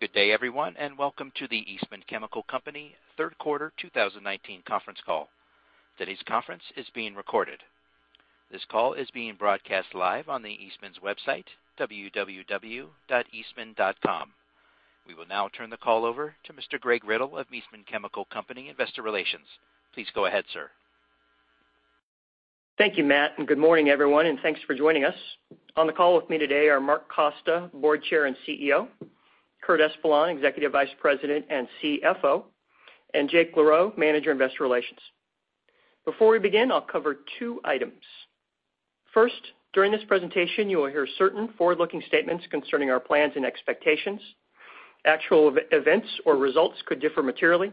Good day, everyone, and welcome to the Eastman Chemical Company third quarter 2019 conference call. Today's conference is being recorded. This call is being broadcast live on the Eastman's website, www.eastman.com. We will now turn the call over to Mr. Greg Riddle of Eastman Chemical Company, Investor Relations. Please go ahead, sir. Thank you, Matt, and good morning, everyone, and thanks for joining us. On the call with me today are Mark Costa, Board Chair and CEO, Curt Espeland, Executive Vice President and CFO, and Jake LaRoe, Manager, Investor Relations. Before we begin, I will cover two items. First, during this presentation, you will hear certain forward-looking statements concerning our plans and expectations. Actual events or results could differ materially.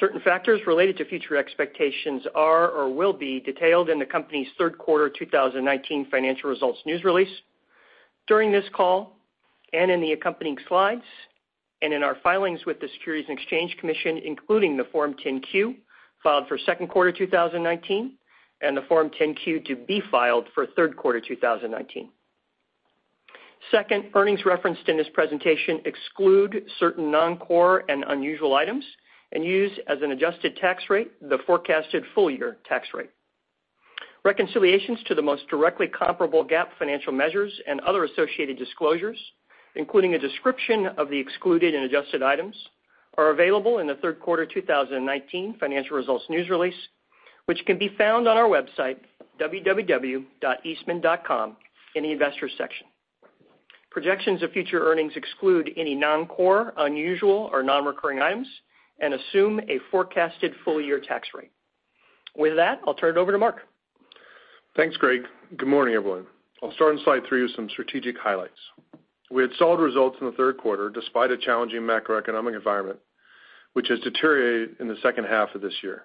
Certain factors related to future expectations are or will be detailed in the company's third quarter 2019 financial results news release, during this call and in the accompanying slides and in our filings with the Securities and Exchange Commission, including the Form 10-Q filed for second quarter 2019 and the Form 10-Q to be filed for third quarter 2019. Second, earnings referenced in this presentation exclude certain non-core and unusual items and use as an adjusted tax rate the forecasted full-year tax rate. Reconciliations to the most directly comparable GAAP financial measures and other associated disclosures, including a description of the excluded and adjusted items, are available in the third quarter 2019 financial results news release, which can be found on our website, www.eastman.com, in the investor section. Projections of future earnings exclude any non-core, unusual, or non-recurring items and assume a forecasted full-year tax rate. With that, I'll turn it over to Mark. Thanks, Greg. Good morning, everyone. I'll start on slide three with some strategic highlights. We had solid results in the third quarter despite a challenging macroeconomic environment, which has deteriorated in the second half of this year.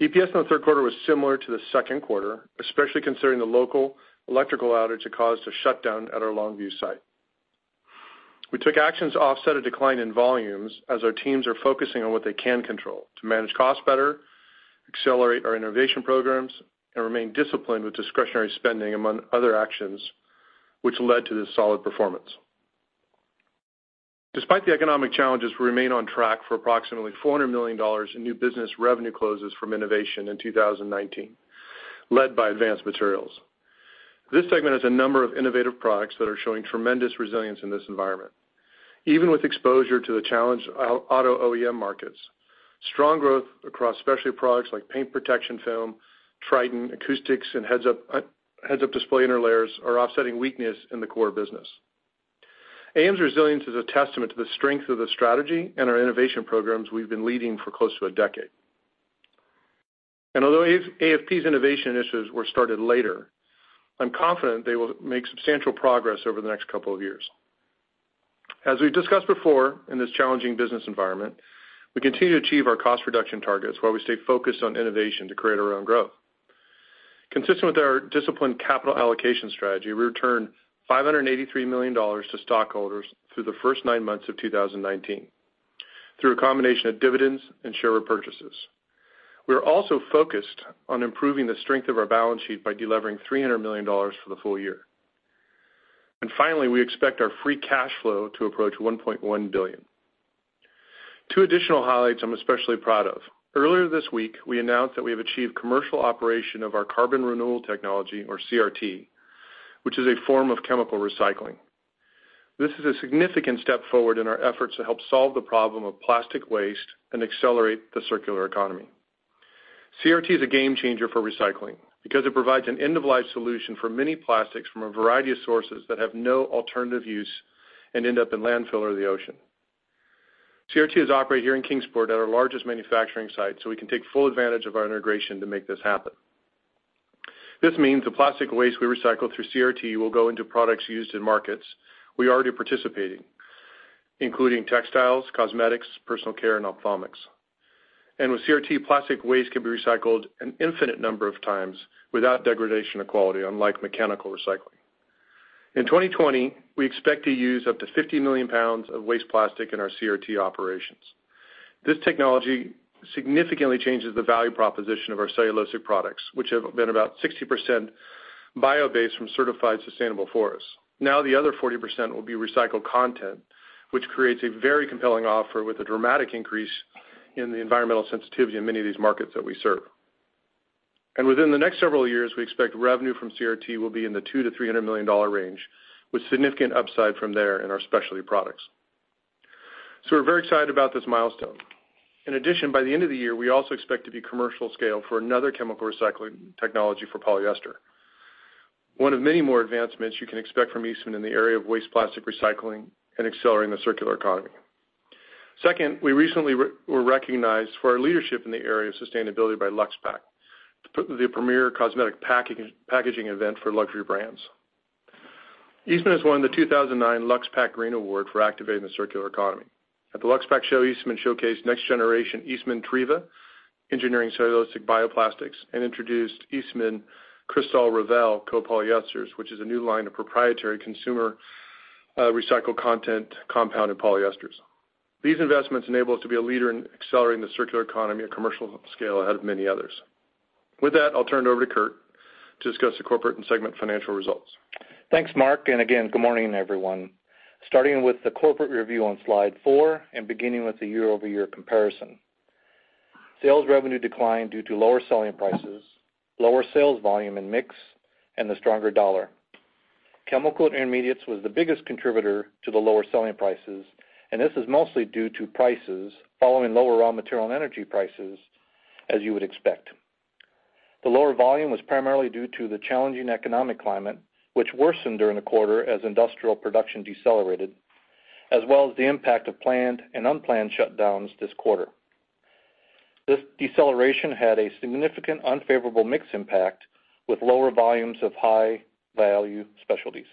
EPS in the third quarter was similar to the second quarter, especially considering the local electrical outage that caused a shutdown at our Longview site. We took action to offset a decline in volumes as our teams are focusing on what they can control to manage costs better, accelerate our innovation programs, and remain disciplined with discretionary spending among other actions, which led to this solid performance. Despite the economic challenges, we remain on track for approximately $400 million in new business revenue closes from innovation in 2019, led by Advanced Materials. This segment has a number of innovative products that are showing tremendous resilience in this environment. Even with exposure to the challenged auto OEM markets, strong growth across specialty products like paint protection film, Tritan acoustics, and heads-up display interlayers are offsetting weakness in the core business. AM's resilience is a testament to the strength of the strategy and our innovation programs we've been leading for close to a decade. Although AFP's innovation initiatives were started later, I'm confident they will make substantial progress over the next couple of years. As we've discussed before in this challenging business environment, we continue to achieve our cost reduction targets while we stay focused on innovation to create our own growth. Consistent with our disciplined capital allocation strategy, we returned $583 million to stockholders through the first nine months of 2019 through a combination of dividends and share repurchases. We are also focused on improving the strength of our balance sheet by delevering $300 million for the full year. Finally, we expect our free cash flow to approach $1.1 billion. Two additional highlights I'm especially proud of. Earlier this week, we announced that we have achieved commercial operation of our carbon renewal technology or CRT, which is a form of chemical recycling. This is a significant step forward in our efforts to help solve the problem of plastic waste and accelerate the circular economy. CRT is a game changer for recycling because it provides an end-of-life solution for many plastics from a variety of sources that have no alternative use and end up in landfill or the ocean. CRT is operated here in Kingsport at our largest manufacturing site so we can take full advantage of our integration to make this happen. This means the plastic waste we recycle through CRT will go into products used in markets we are already participating, including textiles, cosmetics, personal care, and ophthalmics. With CRT, plastic waste can be recycled an infinite number of times without degradation of quality, unlike mechanical recycling. In 2020, we expect to use up to 50 million pounds of waste plastic in our CRT operations. This technology significantly changes the value proposition of our cellulosic products, which have been about 60% bio-based from certified sustainable forests. The other 40% will be recycled content, which creates a very compelling offer with a dramatic increase in the environmental sensitivity in many of these markets that we serve. Within the next several years, we expect revenue from CRT will be in the $200 million-$300 million range, with significant upside from there in our specialty products. We're very excited about this milestone. In addition, by the end of the year, we also expect to be commercial scale for another chemical recycling technology for polyester. One of many more advancements you can expect from Eastman in the area of waste plastic recycling and accelerating the circular economy. Second, we recently were recognized for our leadership in the area of sustainability by Luxe Pack, the premier cosmetic packaging event for luxury brands. Eastman has won the 2009 Luxe Pack in Green Award for activating the circular economy. At the Luxe Pack show, Eastman showcased next generation Eastman Trēva engineering cellulosic bioplastics, and introduced Eastman Cristal Revēl copolyesters, which is a new line of proprietary consumer recycled content compounded polyesters. These investments enable us to be a leader in accelerating the circular economy at commercial scale ahead of many others. With that, I'll turn it over to Curt to discuss the corporate and segment financial results. Thanks, Mark, and again, good morning, everyone. Starting with the corporate review on slide four and beginning with the year-over-year comparison. Sales revenue declined due to lower selling prices, lower sales volume and mix, and the stronger dollar. Chemical Intermediates was the biggest contributor to the lower selling prices, and this is mostly due to prices following lower raw material and energy prices, as you would expect. The lower volume was primarily due to the challenging economic climate, which worsened during the quarter as industrial production decelerated, as well as the impact of planned and unplanned shutdowns this quarter. This deceleration had a significant unfavorable mix impact with lower volumes of high-value specialties.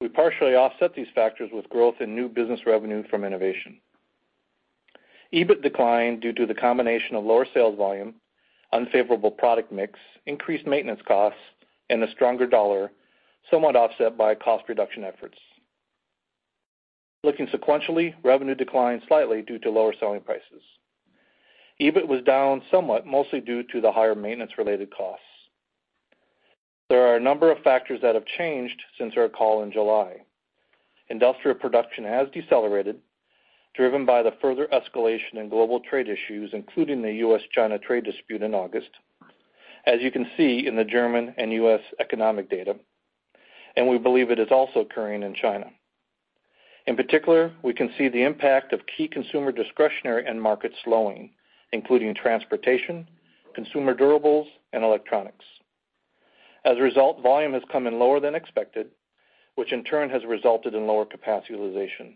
We partially offset these factors with growth in new business revenue from innovation. EBIT declined due to the combination of lower sales volume, unfavorable product mix, increased maintenance costs, and a stronger dollar, somewhat offset by cost reduction efforts. Looking sequentially, revenue declined slightly due to lower selling prices. EBIT was down somewhat, mostly due to the higher maintenance-related costs. There are a number of factors that have changed since our call in July. Industrial production has decelerated, driven by the further escalation in global trade issues, including the U.S.-China trade dispute in August. As you can see in the German and U.S. economic data, and we believe it is also occurring in China. In particular, we can see the impact of key consumer discretionary end market slowing, including transportation, consumer durables, and electronics. As a result, volume has come in lower than expected, which in turn has resulted in lower capacity utilization.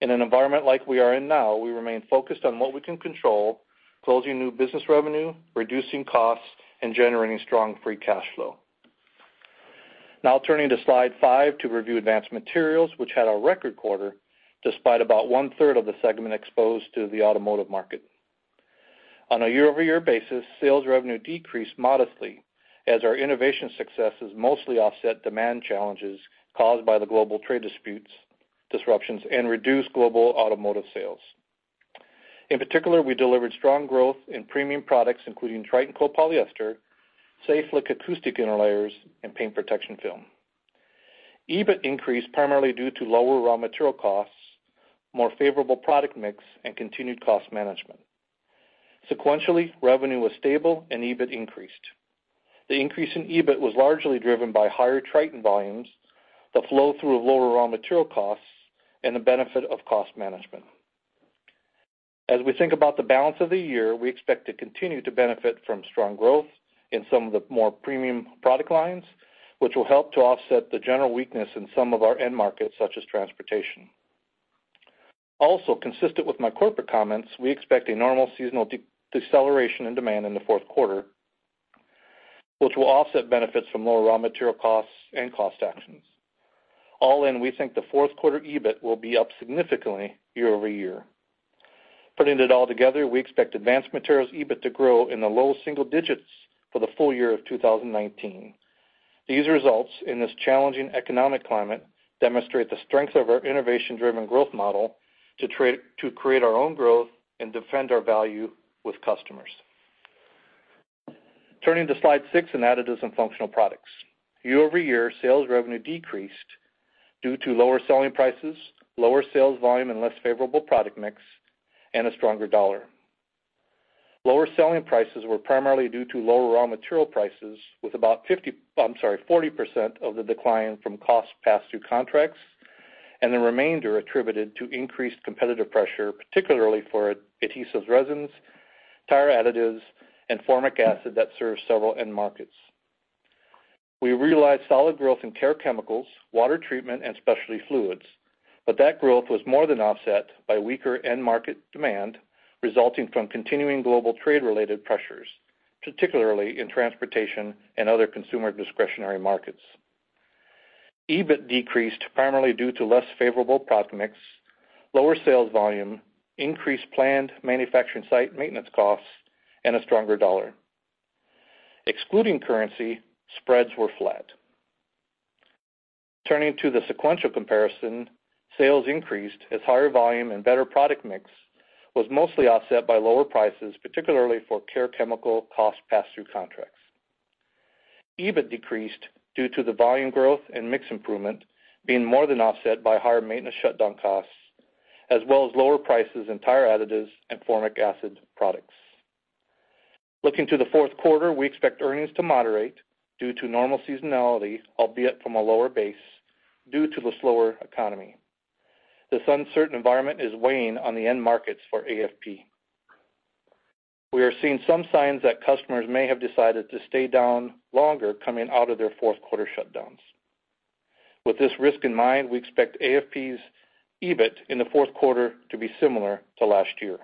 In an environment like we are in now, we remain focused on what we can control, closing new business revenue, reducing costs, and generating strong free cash flow. Now turning to slide five to review Advanced Materials, which had a record quarter despite about one-third of the segment exposed to the automotive market. On a year-over-year basis, sales revenue decreased modestly as our innovation successes mostly offset demand challenges caused by the global trade disputes, disruptions, and reduced global automotive sales. In particular, we delivered strong growth in premium products, including Tritan copolyester, Saflex acoustic interlayers, and paint protection film. EBIT increased primarily due to lower raw material costs, more favorable product mix, and continued cost management. Sequentially, revenue was stable and EBIT increased. The increase in EBIT was largely driven by higher Tritan volumes, the flow-through of lower raw material costs, and the benefit of cost management. As we think about the balance of the year, we expect to continue to benefit from strong growth in some of the more premium product lines, which will help to offset the general weakness in some of our end markets, such as transportation. Also, consistent with my corporate comments, we expect a normal seasonal deceleration in demand in the fourth quarter, which will offset benefits from lower raw material costs and cost actions. All in, we think the fourth quarter EBIT will be up significantly year-over-year. Putting it all together, we expect Advanced Materials EBIT to grow in the low single digits for the full year of 2019. These results in this challenging economic climate demonstrate the strength of our innovation-driven growth model to create our own growth and defend our value with customers. Turning to slide six in Additives & Functional Products. Year-over-year, sales revenue decreased due to lower selling prices, lower sales volume and less favorable product mix, and a stronger dollar. Lower selling prices were primarily due to lower raw material prices, with about 40% of the decline from cost pass-through contracts and the remainder attributed to increased competitive pressure, particularly for adhesives resins, tire additives, and formic acid that serves several end markets. We realized solid growth in care chemicals, water treatment, and specialty fluids, but that growth was more than offset by weaker end market demand resulting from continuing global trade-related pressures, particularly in transportation and other consumer discretionary markets. EBIT decreased primarily due to less favorable product mix, lower sales volume, increased planned manufacturing site maintenance costs, and a stronger dollar. Excluding currency, spreads were flat. Turning to the sequential comparison, sales increased as higher volume and better product mix was mostly offset by lower prices, particularly for care chemical cost pass-through contracts. EBIT decreased due to the volume growth and mix improvement being more than offset by higher maintenance shutdown costs as well as lower prices in tire additives and formic acid products. Looking to the fourth quarter, we expect earnings to moderate due to normal seasonality, albeit from a lower base due to the slower economy. This uncertain environment is weighing on the end markets for AFP. We are seeing some signs that customers may have decided to stay down longer coming out of their fourth quarter shutdowns. With this risk in mind, we expect AFP's EBIT in the fourth quarter to be similar to last year.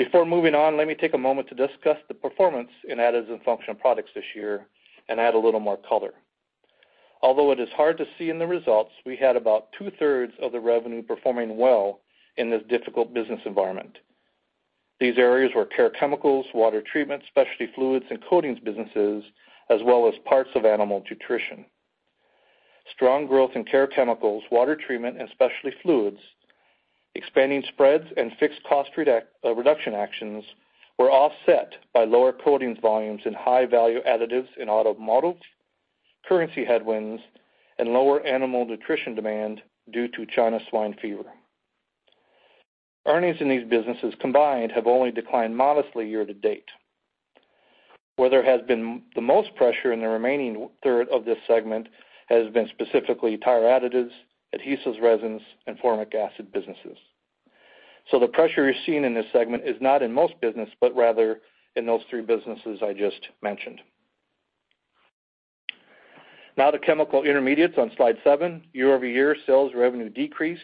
Before moving on, let me take a moment to discuss the performance in Additives & Functional Products this year and add a little more color. Although it is hard to see in the results, we had about two-thirds of the revenue performing well in this difficult business environment. These areas were care chemicals, water treatment, specialty fluids, and coatings businesses, as well as parts of animal nutrition. Strong growth in care chemicals, water treatment, and specialty fluids, expanding spreads and fixed cost reduction actions were offset by lower coatings volumes and high-value additives in auto models, currency headwinds, and lower animal nutrition demand due to China swine fever. Earnings in these businesses combined have only declined modestly year to date. Where there has been the most pressure in the remaining third of this segment has been specifically tire additives, adhesives, resins, and formic acid businesses. The pressure you're seeing in this segment is not in most business, but rather in those three businesses I just mentioned. Now to Chemical Intermediates on Slide seven. Year-over-year sales revenue decreased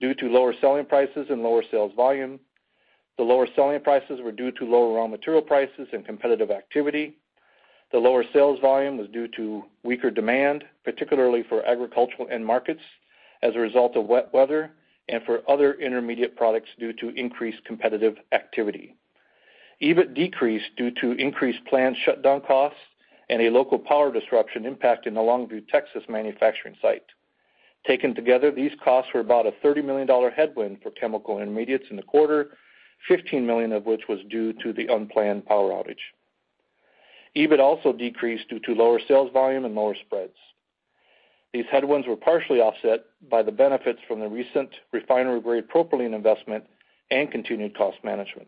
due to lower selling prices and lower sales volume. The lower selling prices were due to lower raw material prices and competitive activity. The lower sales volume was due to weaker demand, particularly for agricultural end markets as a result of wet weather, and for other intermediate products due to increased competitive activity. EBIT decreased due to increased planned shutdown costs and a local power disruption impact in the Longview, Texas manufacturing site. Taken together, these costs were about a $30 million headwind for Chemical Intermediates in the quarter, $15 million of which was due to the unplanned power outage. EBIT also decreased due to lower sales volume and lower spreads. These headwinds were partially offset by the benefits from the recent refinery grade propylene investment and continued cost management.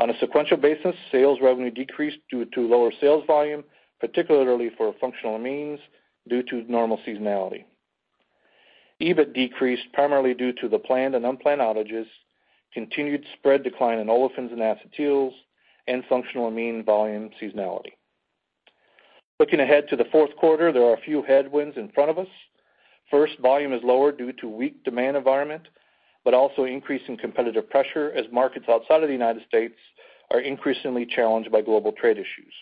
On a sequential basis, sales revenue decreased due to lower sales volume, particularly for functional amines due to normal seasonality. EBIT decreased primarily due to the planned and unplanned outages, continued spread decline in olefins and acetyls, and functional amine volume seasonality. Looking ahead to the fourth quarter, there are a few headwinds in front of us. First, volume is lower due to weak demand environment, but also increase in competitive pressure as markets outside of the U.S. are increasingly challenged by global trade issues.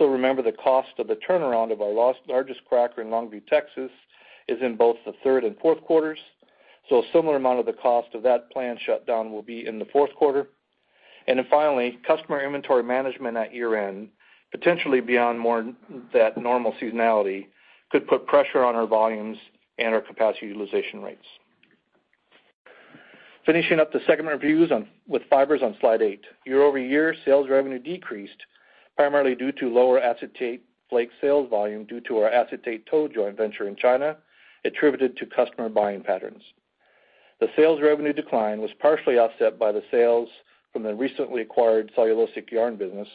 Remember the cost of the turnaround of our largest cracker in Longview, Texas is in both the third and fourth quarters, so a similar amount of the cost of that planned shutdown will be in the fourth quarter. Finally, customer inventory management at year-end, potentially beyond more than that normal seasonality, could put pressure on our volumes and our capacity utilization rates. Finishing up the segment reviews with fibers on Slide eight. Year-over-year sales revenue decreased primarily due to lower acetate flake sales volume due to our acetate tow joint venture in China attributed to customer buying patterns. The sales revenue decline was partially offset by the sales from the recently acquired cellulosic yarn business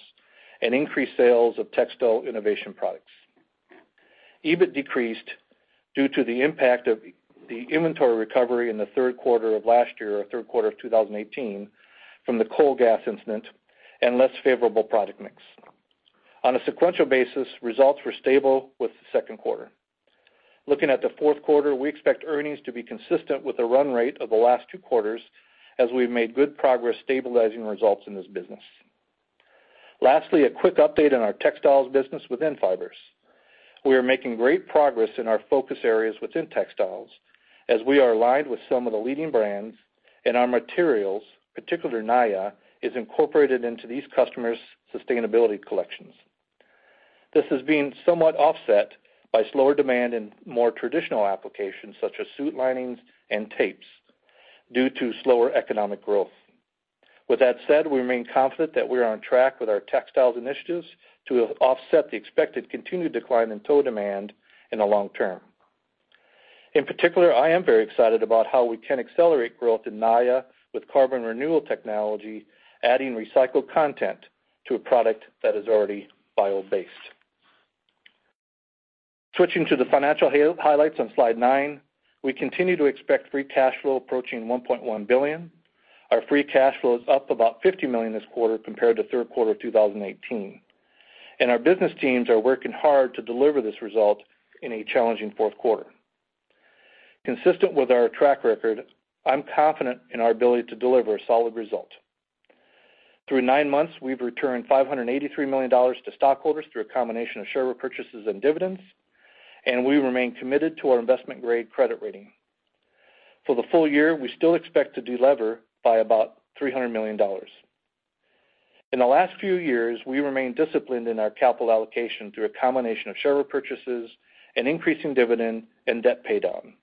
and increased sales of textile innovation products. EBIT decreased due to the impact of the inventory recovery in the third quarter of last year or third quarter of 2018 from the coal gas incident and less favorable product mix. On a sequential basis, results were stable with the second quarter. Looking at the fourth quarter, we expect earnings to be consistent with the run rate of the last two quarters as we've made good progress stabilizing results in this business. Lastly, a quick update on our textiles business within fibers. We are making great progress in our focus areas within textiles as we are aligned with some of the leading brands and our materials, particularly Naia, is incorporated into these customers' sustainability collections. This has been somewhat offset by slower demand in more traditional applications such as suit linings and tapes due to slower economic growth. With that said, we remain confident that we are on track with our textiles initiatives to offset the expected continued decline in tow demand in the long term. In particular, I am very excited about how we can accelerate growth in Naia with carbon renewal technology, adding recycled content to a product that is already bio-based. Switching to the financial highlights on Slide nine, we continue to expect free cash flow approaching $1.1 billion. Our free cash flow is up about $50 million this quarter compared to third quarter of 2018, and our business teams are working hard to deliver this result in a challenging fourth quarter. Consistent with our track record, I'm confident in our ability to deliver a solid result. Through nine months, we've returned $583 million to stockholders through a combination of share purchases and dividends, and we remain committed to our investment-grade credit rating. For the full year, we still expect to delever by about $300 million. In the last few years, we remain disciplined in our capital allocation through a combination of share purchases and increasing dividend and debt paydown.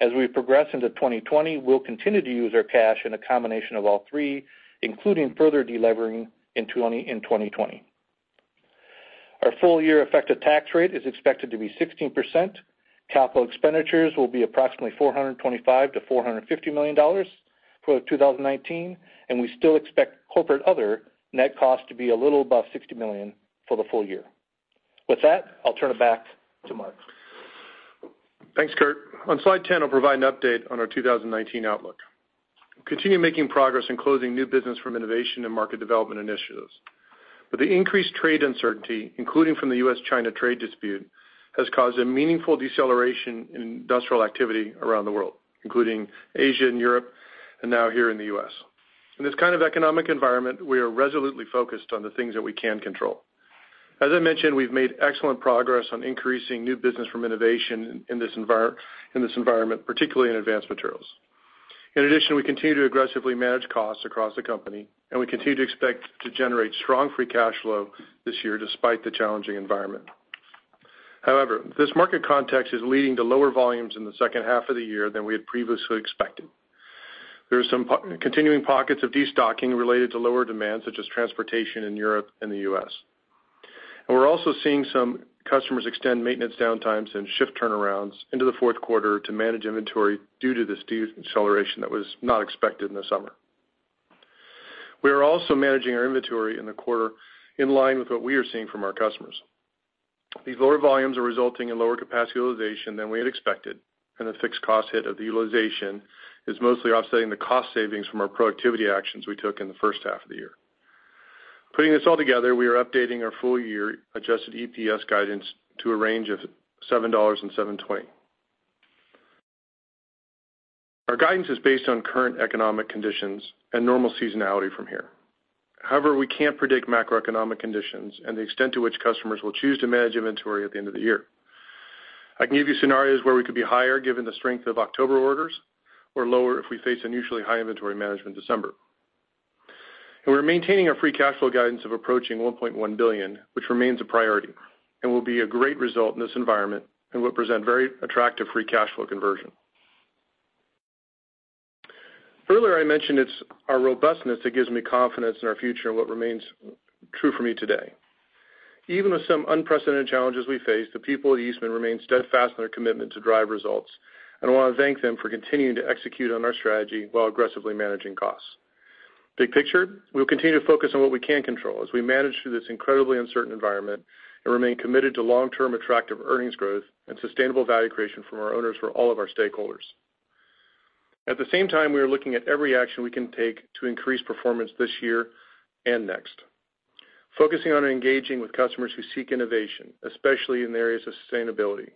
As we progress into 2020, we'll continue to use our cash in a combination of all three, including further delevering in 2020. Our full-year effective tax rate is expected to be 16%. Capital expenditures will be approximately $425 million-$450 million for 2019, and we still expect corporate other net cost to be a little above $60 million for the full year. With that, I'll turn it back to Mark. Thanks, Curt. On Slide 10, I'll provide an update on our 2019 outlook. We continue making progress in closing new business from innovation and market development initiatives. The increased trade uncertainty, including from the U.S.-China trade dispute, has caused a meaningful deceleration in industrial activity around the world, including Asia and Europe, and now here in the U.S. In this kind of economic environment, we are resolutely focused on the things that we can control. As I mentioned, we've made excellent progress on increasing new business from innovation in this environment, particularly in Advanced Materials. In addition, we continue to aggressively manage costs across the company, and we continue to expect to generate strong free cash flow this year despite the challenging environment. However, this market context is leading to lower volumes in the second half of the year than we had previously expected. There are some continuing pockets of destocking related to lower demand, such as transportation in Europe and the U.S. We're also seeing some customers extend maintenance downtimes and shift turnarounds into the fourth quarter to manage inventory due to the steep deceleration that was not expected in the summer. We are also managing our inventory in the quarter in line with what we are seeing from our customers. These lower volumes are resulting in lower capacity utilization than we had expected, and the fixed cost hit of the utilization is mostly offsetting the cost savings from our productivity actions we took in the first half of the year. Putting this all together, we are updating our full year adjusted EPS guidance to a range of $7-$7.20. Our guidance is based on current economic conditions and normal seasonality from here. We can't predict macroeconomic conditions and the extent to which customers will choose to manage inventory at the end of the year. I can give you scenarios where we could be higher given the strength of October orders, or lower if we face unusually high inventory management December. We're maintaining our free cash flow guidance of approaching $1.1 billion, which remains a priority, and will be a great result in this environment, and will present very attractive free cash flow conversion. Earlier I mentioned it's our robustness that gives me confidence in our future and what remains true for me today. Even with some unprecedented challenges we face, the people at Eastman remain steadfast in their commitment to drive results. I want to thank them for continuing to execute on our strategy while aggressively managing costs. Big picture, we will continue to focus on what we can control as we manage through this incredibly uncertain environment and remain committed to long-term attractive earnings growth and sustainable value creation for our owners, for all of our stakeholders. At the same time, we are looking at every action we can take to increase performance this year and next. We are focusing on engaging with customers who seek innovation, especially in the areas of sustainability.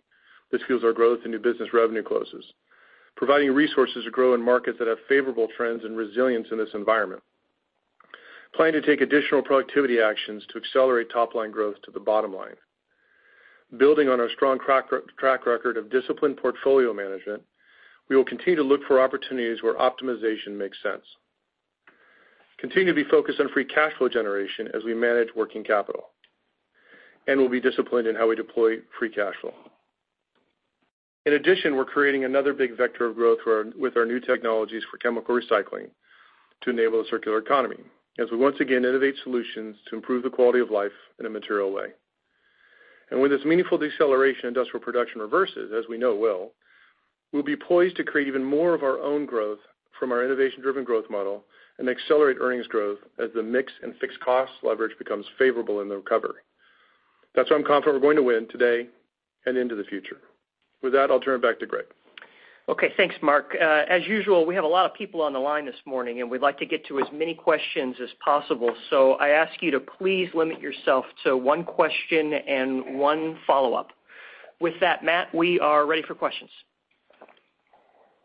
This fuels our growth in new business revenue closes. We are providing resources to grow in markets that have favorable trends and resilience in this environment. We plan to take additional productivity actions to accelerate top-line growth to the bottom line. Building on our strong track record of disciplined portfolio management, we will continue to look for opportunities where optimization makes sense. Continue to be focused on free cash flow generation as we manage working capital, and we'll be disciplined in how we deploy free cash flow. In addition, we're creating another big vector of growth with our new technologies for chemical recycling to enable a circular economy, as we once again innovate solutions to improve the quality of life in a material way. When this meaningful deceleration in industrial production reverses, as we know it will, we'll be poised to create even more of our own growth from our innovation-driven growth model and accelerate earnings growth as the mix and fixed cost leverage becomes favorable in the recovery. That's why I'm confident we're going to win today and into the future. With that, I'll turn it back to Greg. Okay. Thanks, Mark. As usual, we have a lot of people on the line this morning, and we'd like to get to as many questions as possible, so I ask you to please limit yourself to one question and one follow-up. With that, Matt, we are ready for questions.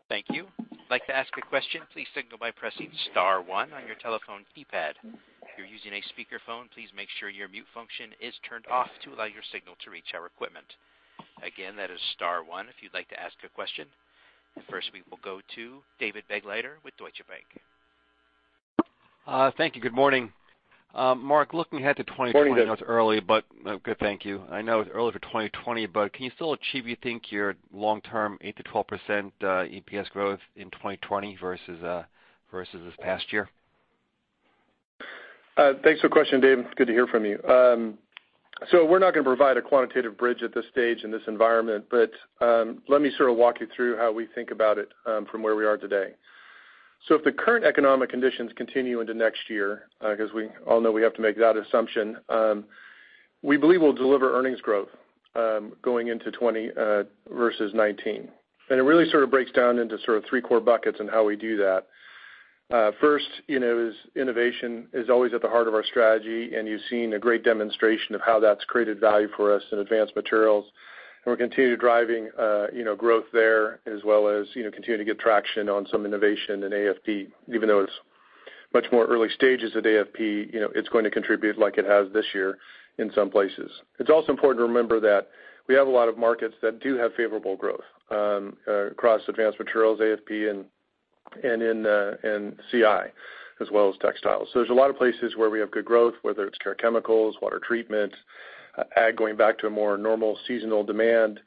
Thank you. If you'd like to ask a question, please signal by pressing *1 on your telephone keypad. If you're using a speakerphone, please make sure your mute function is turned off to allow your signal to reach our equipment. Again, that is *1 if you'd like to ask a question. First, we will go to David Begleiter with Deutsche Bank. Thank you. Good morning. Mark, looking ahead to 2020. Morning, David. I know it's early. Good, thank you. I know it's early for 2020, but can you still achieve, you think, your long-term 8%-12% EPS growth in 2020 versus this past year? Thanks for the question, David. It's good to hear from you. We're not going to provide a quantitative bridge at this stage in this environment. Let me sort of walk you through how we think about it from where we are today. If the current economic conditions continue into next year, because we all know we have to make that assumption, we believe we'll deliver earnings growth going into 2020 versus 2019. It really sort of breaks down into sort of three core buckets in how we do that. First is innovation is always at the heart of our strategy, and you've seen a great demonstration of how that's created value for us in Advanced Materials. We're continuing driving growth there as well as continuing to get traction on some innovation in AFP, even though it's much more early stages at AFP, it's going to contribute like it has this year in some places. It's also important to remember that we have a lot of markets that do have favorable growth across Advanced Materials, AFP, and CI, as well as textiles. There's a lot of places where we have good growth, whether it's care chemicals, water treatment, ag going back to a more normal seasonal demand,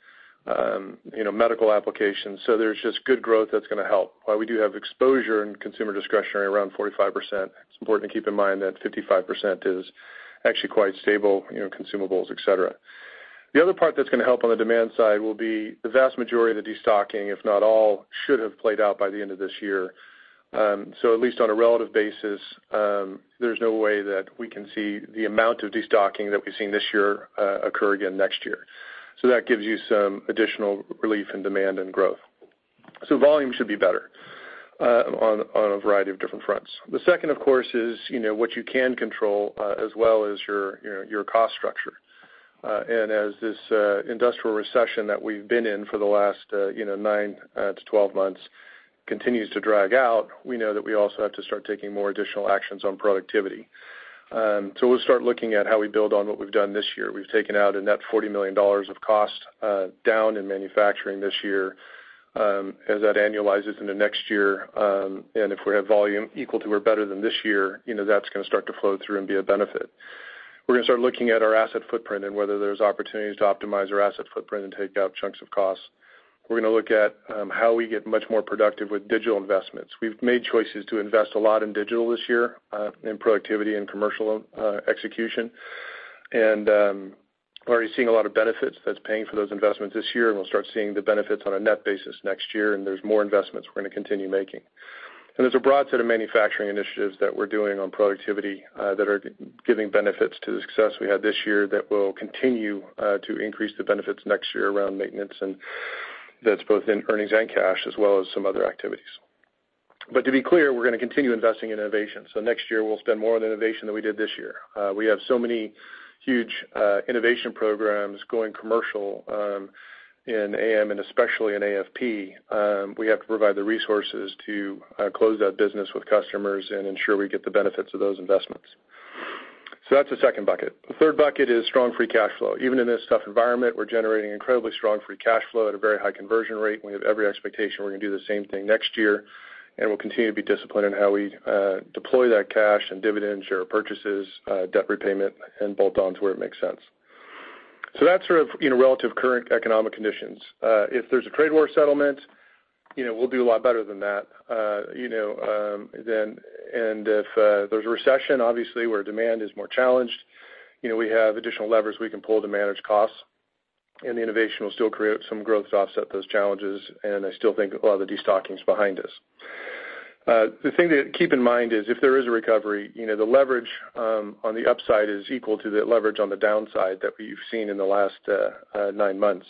medical applications. While we do have exposure in consumer discretionary around 45%, it's important to keep in mind that 55% is actually quite stable, consumables, et cetera. The other part that's going to help on the demand side will be the vast majority of the destocking, if not all, should have played out by the end of this year. At least on a relative basis, there's no way that we can see the amount of destocking that we've seen this year occur again next year. That gives you some additional relief in demand and growth. Volume should be better on a variety of different fronts. The second, of course, is what you can control as well is your cost structure. As this industrial recession that we've been in for the last nine to 12 months continues to drag out, we know that we also have to start taking more additional actions on productivity. We'll start looking at how we build on what we've done this year. We've taken out a net $40 million of cost down in manufacturing this year. If we have volume equal to or better than this year, that's going to start to flow through and be a benefit. We're going to start looking at our asset footprint and whether there's opportunities to optimize our asset footprint and take out chunks of costs. We're going to look at how we get much more productive with digital investments. We've made choices to invest a lot in digital this year in productivity and commercial execution. We're already seeing a lot of benefits that's paying for those investments this year. We'll start seeing the benefits on a net basis next year. There's more investments we're going to continue making. There's a broad set of manufacturing initiatives that we're doing on productivity that are giving benefits to the success we had this year that will continue to increase the benefits next year around maintenance, and that's both in earnings and cash, as well as some other activities. To be clear, we're going to continue investing in innovation. Next year, we'll spend more on innovation than we did this year. We have so many huge innovation programs going commercial in AM and especially in AFP. We have to provide the resources to close that business with customers and ensure we get the benefits of those investments. That's the second bucket. The third bucket is strong free cash flow. Even in this tough environment, we're generating incredibly strong free cash flow at a very high conversion rate, and we have every expectation we're going to do the same thing next year, and we'll continue to be disciplined in how we deploy that cash in dividends, share repurchases, debt repayment, and bolt-ons where it makes sense. That's sort of relative current economic conditions. If there's a trade war settlement, we'll do a lot better than that. If there's a recession, obviously, where demand is more challenged, we have additional levers we can pull to manage costs, and the innovation will still create some growth to offset those challenges, and I still think a lot of the destocking is behind us. The thing to keep in mind is if there is a recovery, the leverage on the upside is equal to the leverage on the downside that we've seen in the last nine months.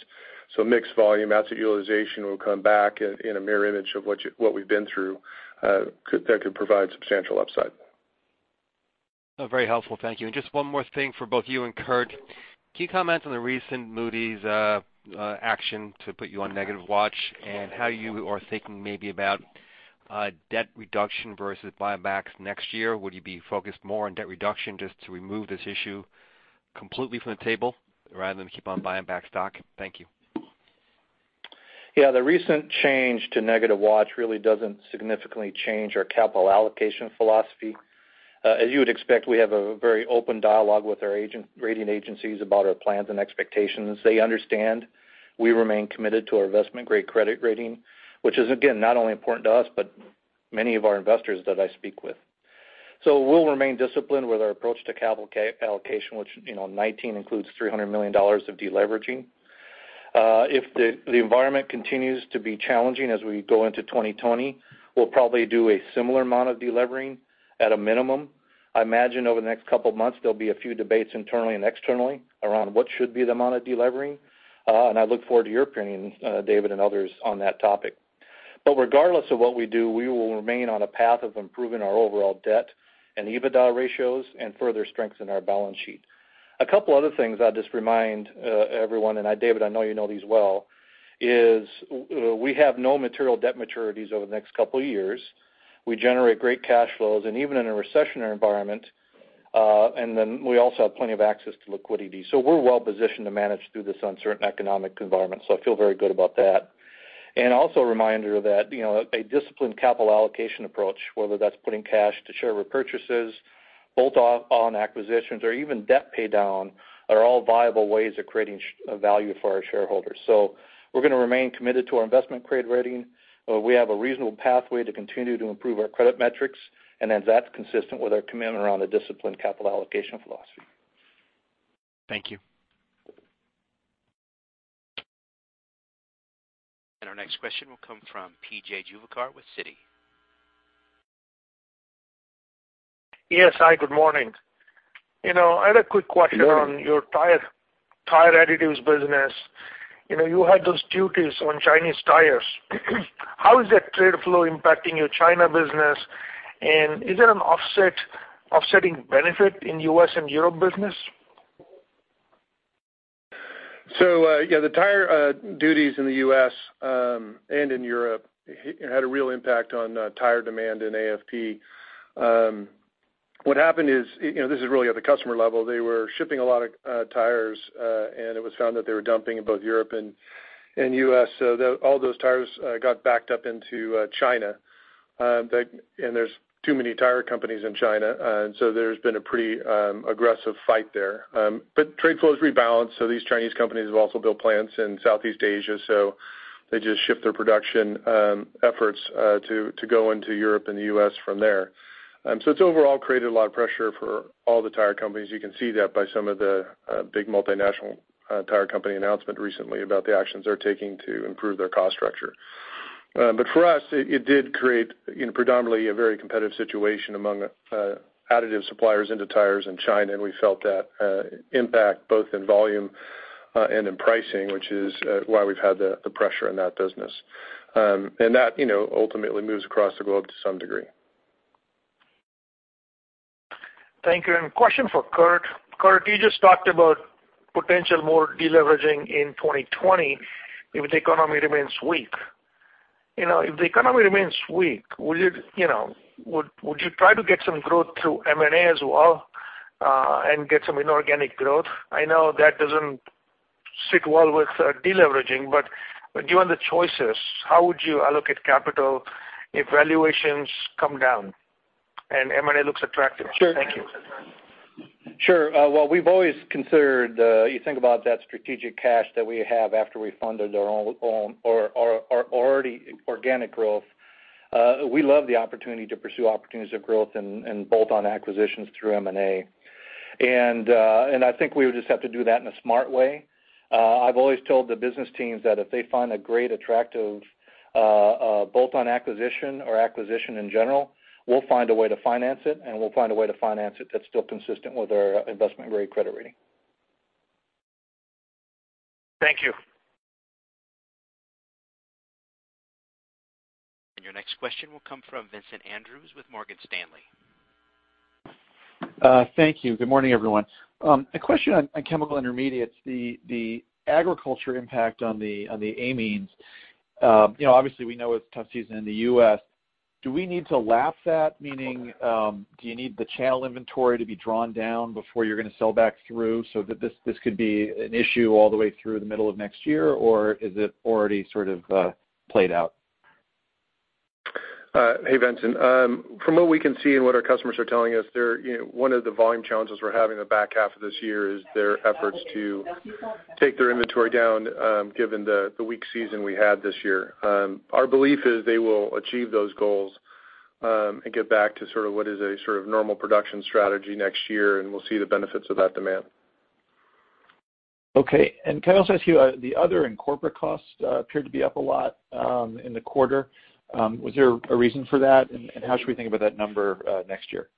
Mixed volume, asset utilization will come back in a mirror image of what we've been through. That could provide substantial upside. Very helpful. Thank you. Just one more thing for both you and Curt. Can you comment on the recent Moody's action to put you on negative watch and how you are thinking maybe about debt reduction versus buybacks next year? Would you be focused more on debt reduction just to remove this issue completely from the table rather than keep on buying back stock? Thank you. Yeah, the recent change to negative watch really doesn't significantly change our capital allocation philosophy. As you would expect, we have a very open dialogue with our rating agencies about our plans and expectations. They understand we remain committed to our investment-grade credit rating, which is, again, not only important to us, but many of our investors that I speak with. We'll remain disciplined with our approach to capital allocation, which 2019 includes $300 million of deleveraging. If the environment continues to be challenging as we go into 2020, we'll probably do a similar amount of delevering at a minimum. I imagine over the next couple of months, there'll be a few debates internally and externally around what should be the amount of delevering, and I look forward to your opinions, David and others, on that topic. Regardless of what we do, we will remain on a path of improving our overall debt and EBITDA ratios and further strengthen our balance sheet. A couple other things I'll just remind everyone, and David, I know you know these well, is we have no material debt maturities over the next couple of years. We generate great cash flows even in a recessionary environment, we also have plenty of access to liquidity. We're well positioned to manage through this uncertain economic environment, so I feel very good about that. Also a reminder that a disciplined capital allocation approach, whether that's putting cash to share repurchases, bolt-on acquisitions, or even debt paydown, are all viable ways of creating value for our shareholders. We're going to remain committed to our investment credit rating. We have a reasonable pathway to continue to improve our credit metrics, and then that's consistent with our commitment around a disciplined capital allocation philosophy. Thank you. Our next question will come from P.J. Juvekar with Citi. Yes. Hi, good morning. I had a quick question on your tire additives business. You had those duties on Chinese tires. How is that trade flow impacting your China business? Is there an offsetting benefit in U.S. and Europe business? Yeah, the tire duties in the U.S. and in Europe had a real impact on tire demand in AFP. What happened is, this is really at the customer level. They were shipping a lot of tires, and it was found that they were dumping in both Europe and U.S. All those tires got backed up into China. There's too many tire companies in China, and there's been a pretty aggressive fight there. Trade flow has rebalanced. These Chinese companies have also built plants in Southeast Asia, so they just shift their production efforts to go into Europe and the U.S. from there. It's overall created a lot of pressure for all the tire companies. You can see that by some of the big multinational tire company announcement recently about the actions they're taking to improve their cost structure. For us, it did create predominantly a very competitive situation among additive suppliers into tires in China, and we felt that impact both in volume and in pricing, which is why we've had the pressure in that business. That ultimately moves across the globe to some degree. Thank you. Question for Curt. Curt, you just talked about potential more deleveraging in 2020 if the economy remains weak, would you try to get some growth through M&A as well and get some inorganic growth? I know that doesn't sit well with de-leveraging, but given the choices, how would you allocate capital if valuations come down and M&A looks attractive? Thank you. Sure. Well, we've always considered, you think about that strategic cash that we have after we funded our already organic growth. We love the opportunity to pursue opportunities of growth and bolt-on acquisitions through M&A. I think we would just have to do that in a smart way. I've always told the business teams that if they find a great attractive bolt-on acquisition or acquisition in general, we'll find a way to finance it, and we'll find a way to finance it that's still consistent with our investment-grade credit rating. Thank you. Your next question will come from Vincent Andrews with Morgan Stanley. Thank you. Good morning, everyone. A question on Chemical Intermediates, the agriculture impact on the amines. Obviously, we know it's a tough season in the U.S. Do we need to lap that? Meaning, do you need the channel inventory to be drawn down before you're going to sell back through so that this could be an issue all the way through the middle of next year? Or is it already sort of played out? Hey, Vincent. From what we can see and what our customers are telling us, one of the volume challenges we're having in the back half of this year is their efforts to take their inventory down given the weak season we had this year. Our belief is they will achieve those goals, and get back to sort of what is a sort of normal production strategy next year, and we'll see the benefits of that demand. Okay. Can I also ask you, the other and corporate costs appeared to be up a lot in the quarter. Was there a reason for that? How should we think about that number next year?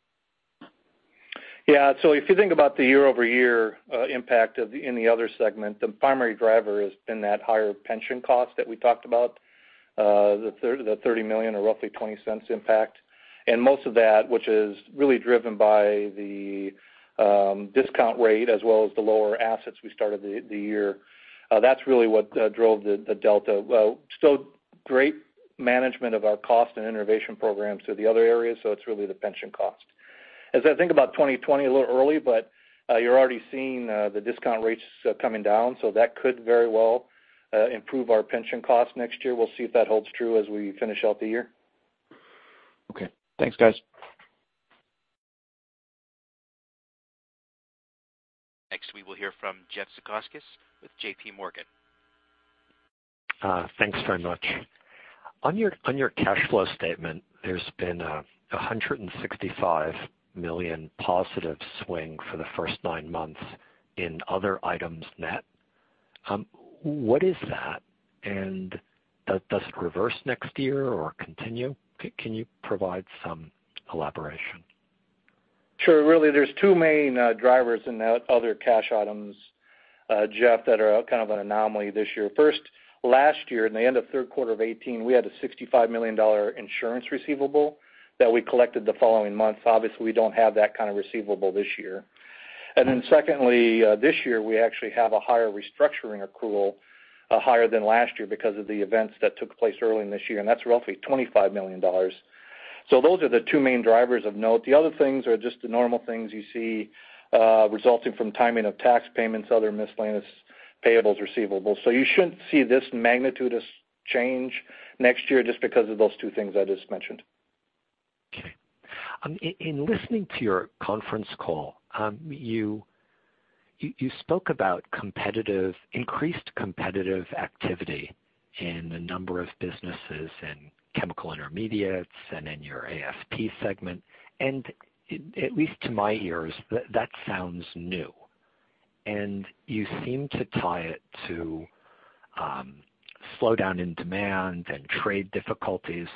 Yeah. If you think about the year-over-year impact in the other segment, the primary driver has been that higher pension cost that we talked about, the $30 million or roughly $0.20 impact. Most of that, which is really driven by the discount rate as well as the lower assets we started the year. That's really what drove the delta. Still great management of our cost and innovation programs to the other areas, so it's really the pension cost. As I think about 2020 a little early, but you're already seeing the discount rates coming down, so that could very well improve our pension cost next year. We'll see if that holds true as we finish out the year. Okay. Thanks, guys. Next, we will hear from Jeff Zekauskas with JPMorgan. Thanks very much. On your cash flow statement, there's been $165 million positive swing for the first nine months in other items net. What is that? Does it reverse next year or continue? Can you provide some elaboration? Sure. Really, there's two main drivers in the other cash items, Jeff, that are kind of an anomaly this year. Last year, in the end of third quarter of 2018, we had a $65 million insurance receivable that we collected the following month. Obviously, we don't have that kind of receivable this year. This year, we actually have a higher restructuring accrual, higher than last year because of the events that took place early in this year, and that's roughly $25 million. Those are the two main drivers of note. The other things are just the normal things you see resulting from timing of tax payments, other miscellaneous payables, receivables. You shouldn't see this magnitude of change next year just because of those two things I just mentioned. Okay. In listening to your conference call, you spoke about increased competitive activity in a number of businesses in Chemical Intermediates and in your AFP segment. At least to my ears, that sounds new. You seem to tie it to slowdown in demand and trade difficulties.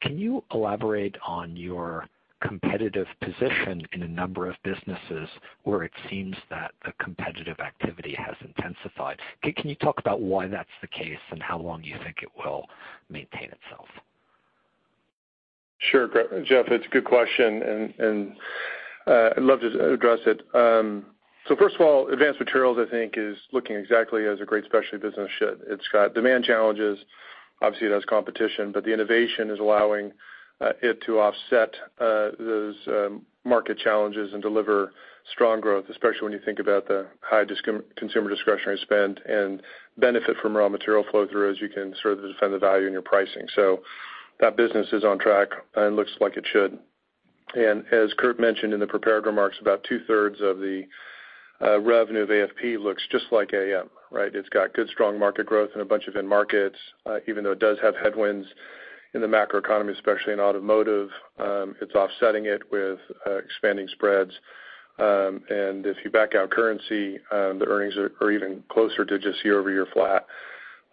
Can you elaborate on your competitive position in a number of businesses where it seems that the competitive activity has intensified? Can you talk about why that's the case and how long you think it will maintain itself? Sure. Jeff, it's a good question, and I'd love to address it. First of all, Advanced Materials, I think, is looking exactly as a great specialty business should. It's got demand challenges. Obviously, it has competition. The innovation is allowing it to offset those market challenges and deliver strong growth, especially when you think about the high consumer discretionary spend and benefit from raw material flow through as you can sort of defend the value in your pricing. That business is on track and looks like it should. As Curt mentioned in the prepared remarks, about two-thirds of the revenue of AFP looks just like AM, right? It's got good, strong market growth in a bunch of end markets. Even though it does have headwinds in the macroeconomy, especially in automotive, it's offsetting it with expanding spreads. If you back out currency, the earnings are even closer to just year-over-year flat.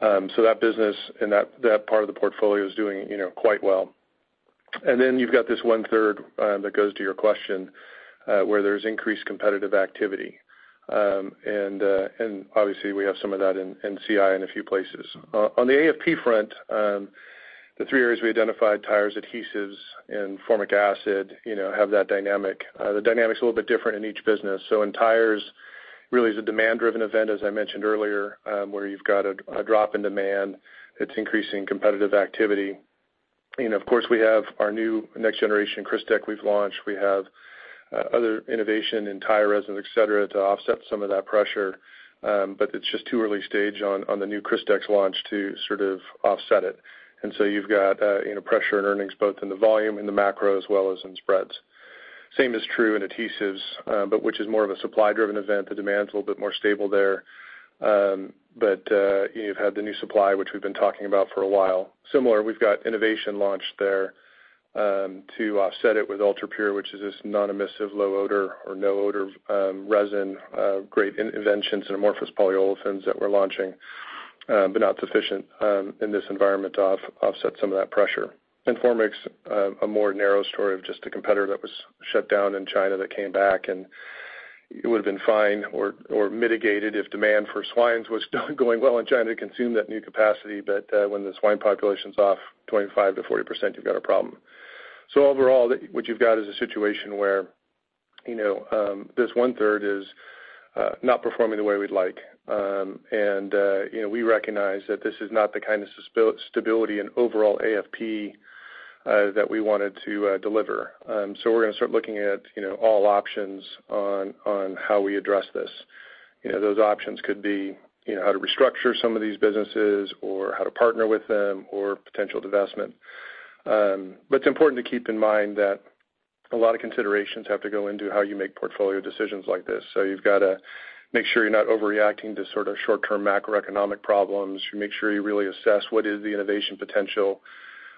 That business and that part of the portfolio is doing quite well. Then you've got this one-third that goes to your question, where there's increased competitive activity. Obviously, we have some of that in CI in a few places. On the AFP front, the three areas we identified, tires, adhesives, and formic acid, have that dynamic. The dynamic's a little bit different in each business. In tires, really is a demand-driven event, as I mentioned earlier, where you've got a drop in demand that's increasing competitive activity. Of course, we have our new next generation Tetrashield we've launched. We have other innovation in tire resin, et cetera, to offset some of that pressure. It's just too early stage on the new Tetrashield launch to sort of offset it. You've got pressure in earnings both in the volume and the macro as well as in spreads. Same is true in adhesives, but which is more of a supply-driven event. The demand's a little bit more stable there. You've had the new supply, which we've been talking about for a while. Similar, we've got innovation launched there, to offset it with Ultra Pure, which is this non-emissive, low odor or no odor resin, great inventions and amorphous polyolefins that we're launching, but not sufficient in this environment to offset some of that pressure. Formics, a more narrow story of just a competitor that was shut down in China that came back, and it would've been fine or mitigated if demand for swines was going well in China to consume that new capacity. When the swine population's off 25%-40%, you've got a problem. Overall, what you've got is a situation where this one third is not performing the way we'd like. We recognize that this is not the kind of stability in overall AFP that we wanted to deliver. We're going to start looking at all options on how we address this. Those options could be how to restructure some of these businesses or how to partner with them or potential divestment. It's important to keep in mind that a lot of considerations have to go into how you make portfolio decisions like this. You've got to make sure you're not overreacting to sort of short-term macroeconomic problems. You make sure you really assess what is the innovation potential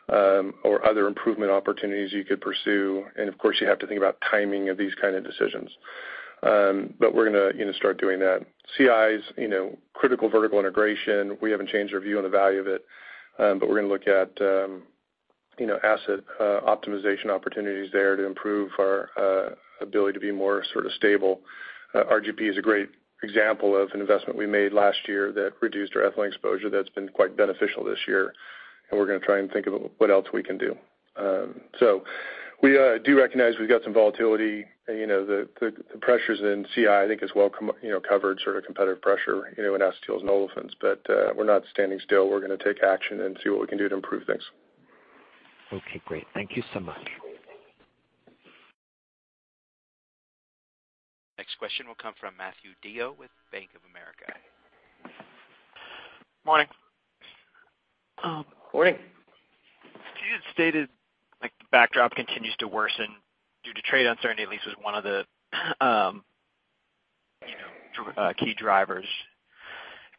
or other improvement opportunities you could pursue. Of course, you have to think about timing of these kind of decisions. We're going to start doing that. CIs, critical vertical integration, we haven't changed our view on the value of it. We're going to look at asset optimization opportunities there to improve our ability to be more sort of stable. RGP is a great example of an investment we made last year that reduced our ethylene exposure that's been quite beneficial this year. We're going to try and think of what else we can do. We do recognize we've got some volatility. The pressures in CI, I think is well covered, sort of competitive pressure, in acetals and olefins. We're not standing still. We're going to take action and see what we can do to improve things. Okay, great. Thank you so much. Next question will come from Matthew DeYoe with Bank of America. Morning. Morning. You had stated the backdrop continues to worsen due to trade uncertainty, at least was one of the key drivers.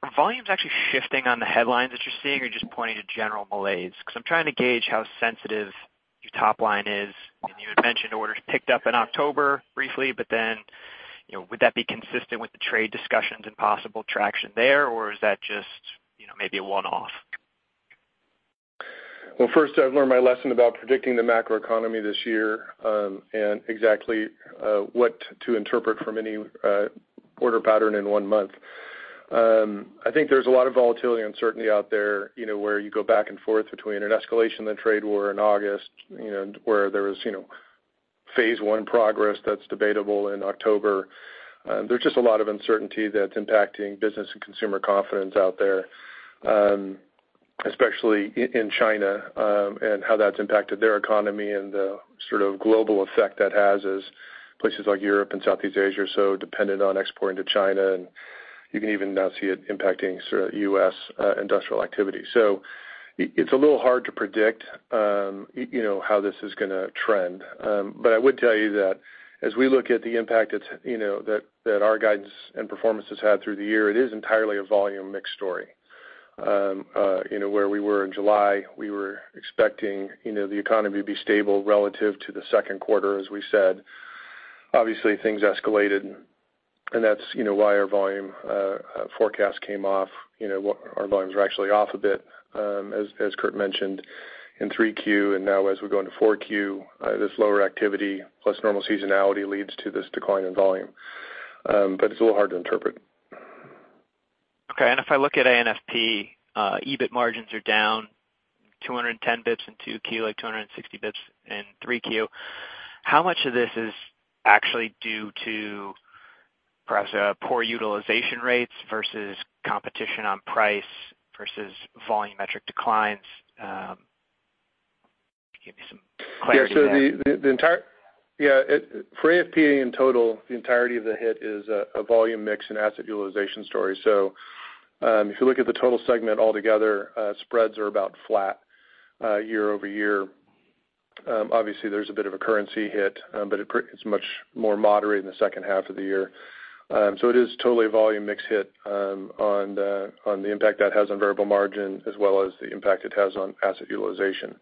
Are volumes actually shifting on the headlines that you're seeing, or just pointing to general malaise? I'm trying to gauge how sensitive your top line is. You had mentioned orders picked up in October briefly, but then would that be consistent with the trade discussions and possible traction there, or is that just maybe a one-off? Well, first, I've learned my lesson about predicting the macroeconomy this year, and exactly what to interpret from any order pattern in one month. I think there's a lot of volatility and uncertainty out there, where you go back and forth between an escalation in the trade war in August, where there was phase one progress that's debatable in October. There's just a lot of uncertainty that's impacting business and consumer confidence out there, especially in China, and how that's impacted their economy and the sort of global effect that has as places like Europe and Southeast Asia are so dependent on exporting to China, and you can even now see it impacting sort of U.S. industrial activity. It's a little hard to predict how this is going to trend. I would tell you that as we look at the impact that our guidance and performance has had through the year, it is entirely a volume mix story. Where we were in July, we were expecting the economy to be stable relative to the second quarter, as we said. Obviously, things escalated, and that's why our volume forecast came off. Our volumes were actually off a bit, as Curt mentioned, in 3Q, and now as we go into 4Q, this lower activity plus normal seasonality leads to this decline in volume. It's a little hard to interpret. Okay, if I look at AFP, EBIT margins are down 210 basis points in 2Q, like 260 basis points in 3Q. How much of this is actually due to perhaps poor utilization rates versus competition on price versus volumetric declines? Give me some clarity there. Yeah. For AFP in total, the entirety of the hit is a volume mix and asset utilization story. If you look at the total segment all together, spreads are about flat year-over-year. Obviously, there's a bit of a currency hit, it's much more moderate in the second half of the year. It is totally a volume mix hit on the impact that has on variable margin as well as the impact it has on asset utilization.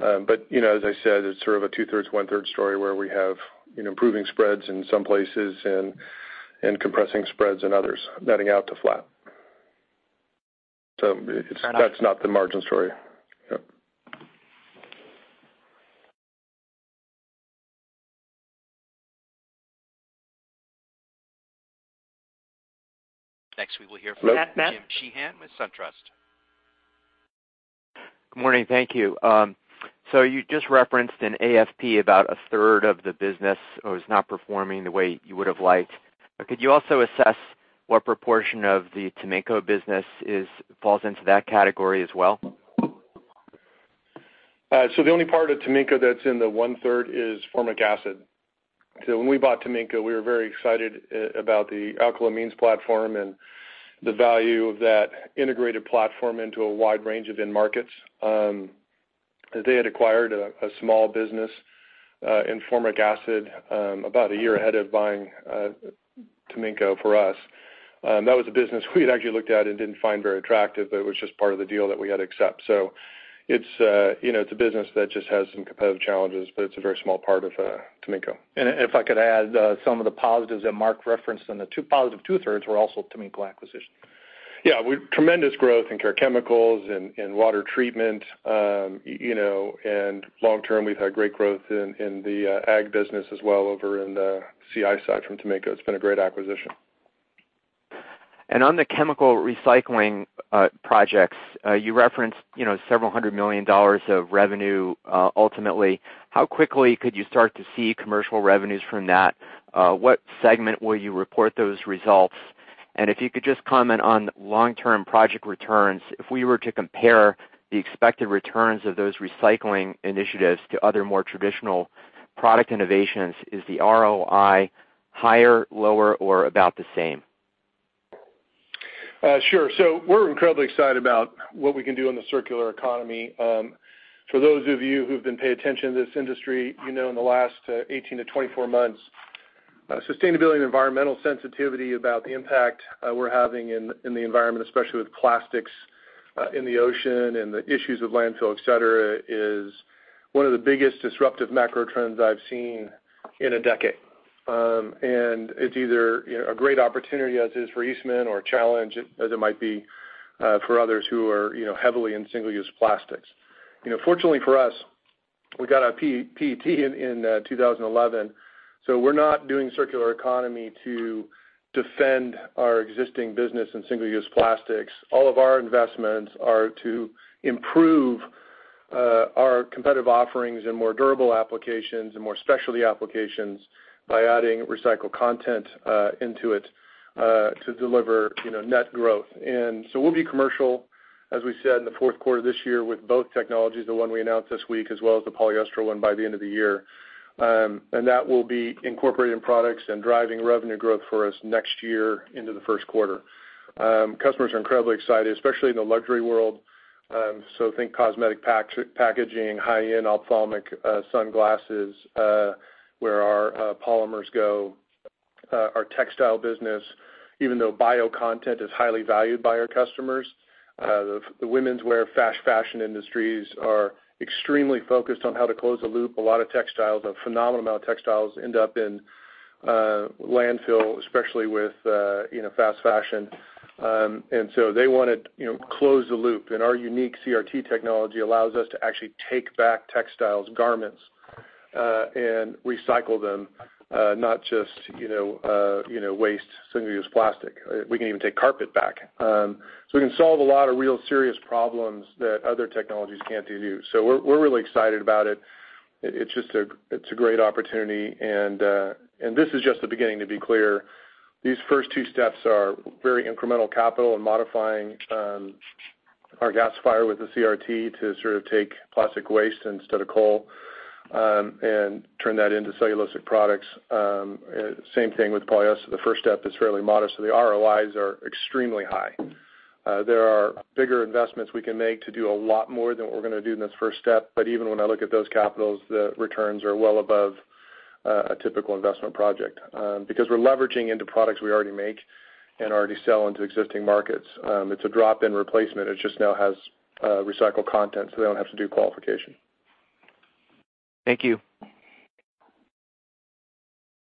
As I said, it's sort of a two-thirds, one-third story where we have improving spreads in some places and compressing spreads in others, netting out to flat. That's not the margin story. Yep. Next, we will hear from James Sheehan with SunTrust. Good morning. Thank you. You just referenced in AFP about a third of the business was not performing the way you would have liked. Could you also assess what proportion of the Taminco business falls into that category as well? The only part of Taminco that's in the one-third is formic acid. When we bought Taminco, we were very excited about the alkylamines platform and the value of that integrated platform into a wide range of end markets. They had acquired a small business in formic acid about one year ahead of buying Taminco for us. That was a business we had actually looked at and didn't find very attractive, but it was just part of the deal that we had to accept. It's a business that just has some competitive challenges, but it's a very small part of Taminco. If I could add, some of the positives that Mark referenced, the positive two-thirds were also Taminco acquisition. Yeah. Tremendous growth in care chemicals and in water treatment. Long term, we've had great growth in the ag business as well over in the CI side from Taminco. It's been a great acquisition. On the chemical recycling projects, you referenced several hundred million dollars of revenue ultimately. How quickly could you start to see commercial revenues from that? What segment will you report those results? If you could just comment on long-term project returns, if we were to compare the expected returns of those recycling initiatives to other more traditional product innovations, is the ROI higher, lower, or about the same? Sure. We're incredibly excited about what we can do in the circular economy. For those of you who've been paying attention to this industry, you know in the last 18 to 24 months, sustainability and environmental sensitivity about the impact we're having in the environment, especially with plastics in the ocean and the issues with landfill, et cetera, is one of the biggest disruptive macro trends I've seen in a decade. It's either a great opportunity, as it is for Eastman, or a challenge as it might be for others who are heavily in single-use plastics. Fortunately for us, we got out of PET in 2011, so we're not doing circular economy to defend our existing business in single-use plastics. All of our investments are to improve our competitive offerings in more durable applications and more specialty applications by adding recycled content into it to deliver net growth. We'll be commercial, as we said, in the fourth quarter this year with both technologies, the one we announced this week, as well as the polyester one by the end of the year. That will be incorporated in products and driving revenue growth for us next year into the first quarter. Customers are incredibly excited, especially in the luxury world, so think cosmetic packaging, high-end ophthalmic sunglasses, where our polymers go. Our textile business, even though bio content is highly valued by our customers, the womenswear fast fashion industries are extremely focused on how to close the loop. A phenomenal amount of textiles end up in landfills, especially with fast fashion. They want to close the loop, and our unique CRT technology allows us to actually take back textiles, garments, and recycle them, not just waste single-use plastic. We can even take carpet back. We can solve a lot of real serious problems that other technologies can't do. We're really excited about it. It's a great opportunity, and this is just the beginning, to be clear. These first two steps are very incremental capital and modifying our gasifier with the CRT to sort of take plastic waste instead of coal, and turn that into cellulosic products. Same thing with polyester. The first step is fairly modest, the ROIs are extremely high. There are bigger investments we can make to do a lot more than what we're going to do in this first step, even when I look at those capitals, the returns are well above a typical investment project. We're leveraging into products we already make and already sell into existing markets. It's a drop-in replacement. It just now has recycled content, so they don't have to do qualification. Thank you.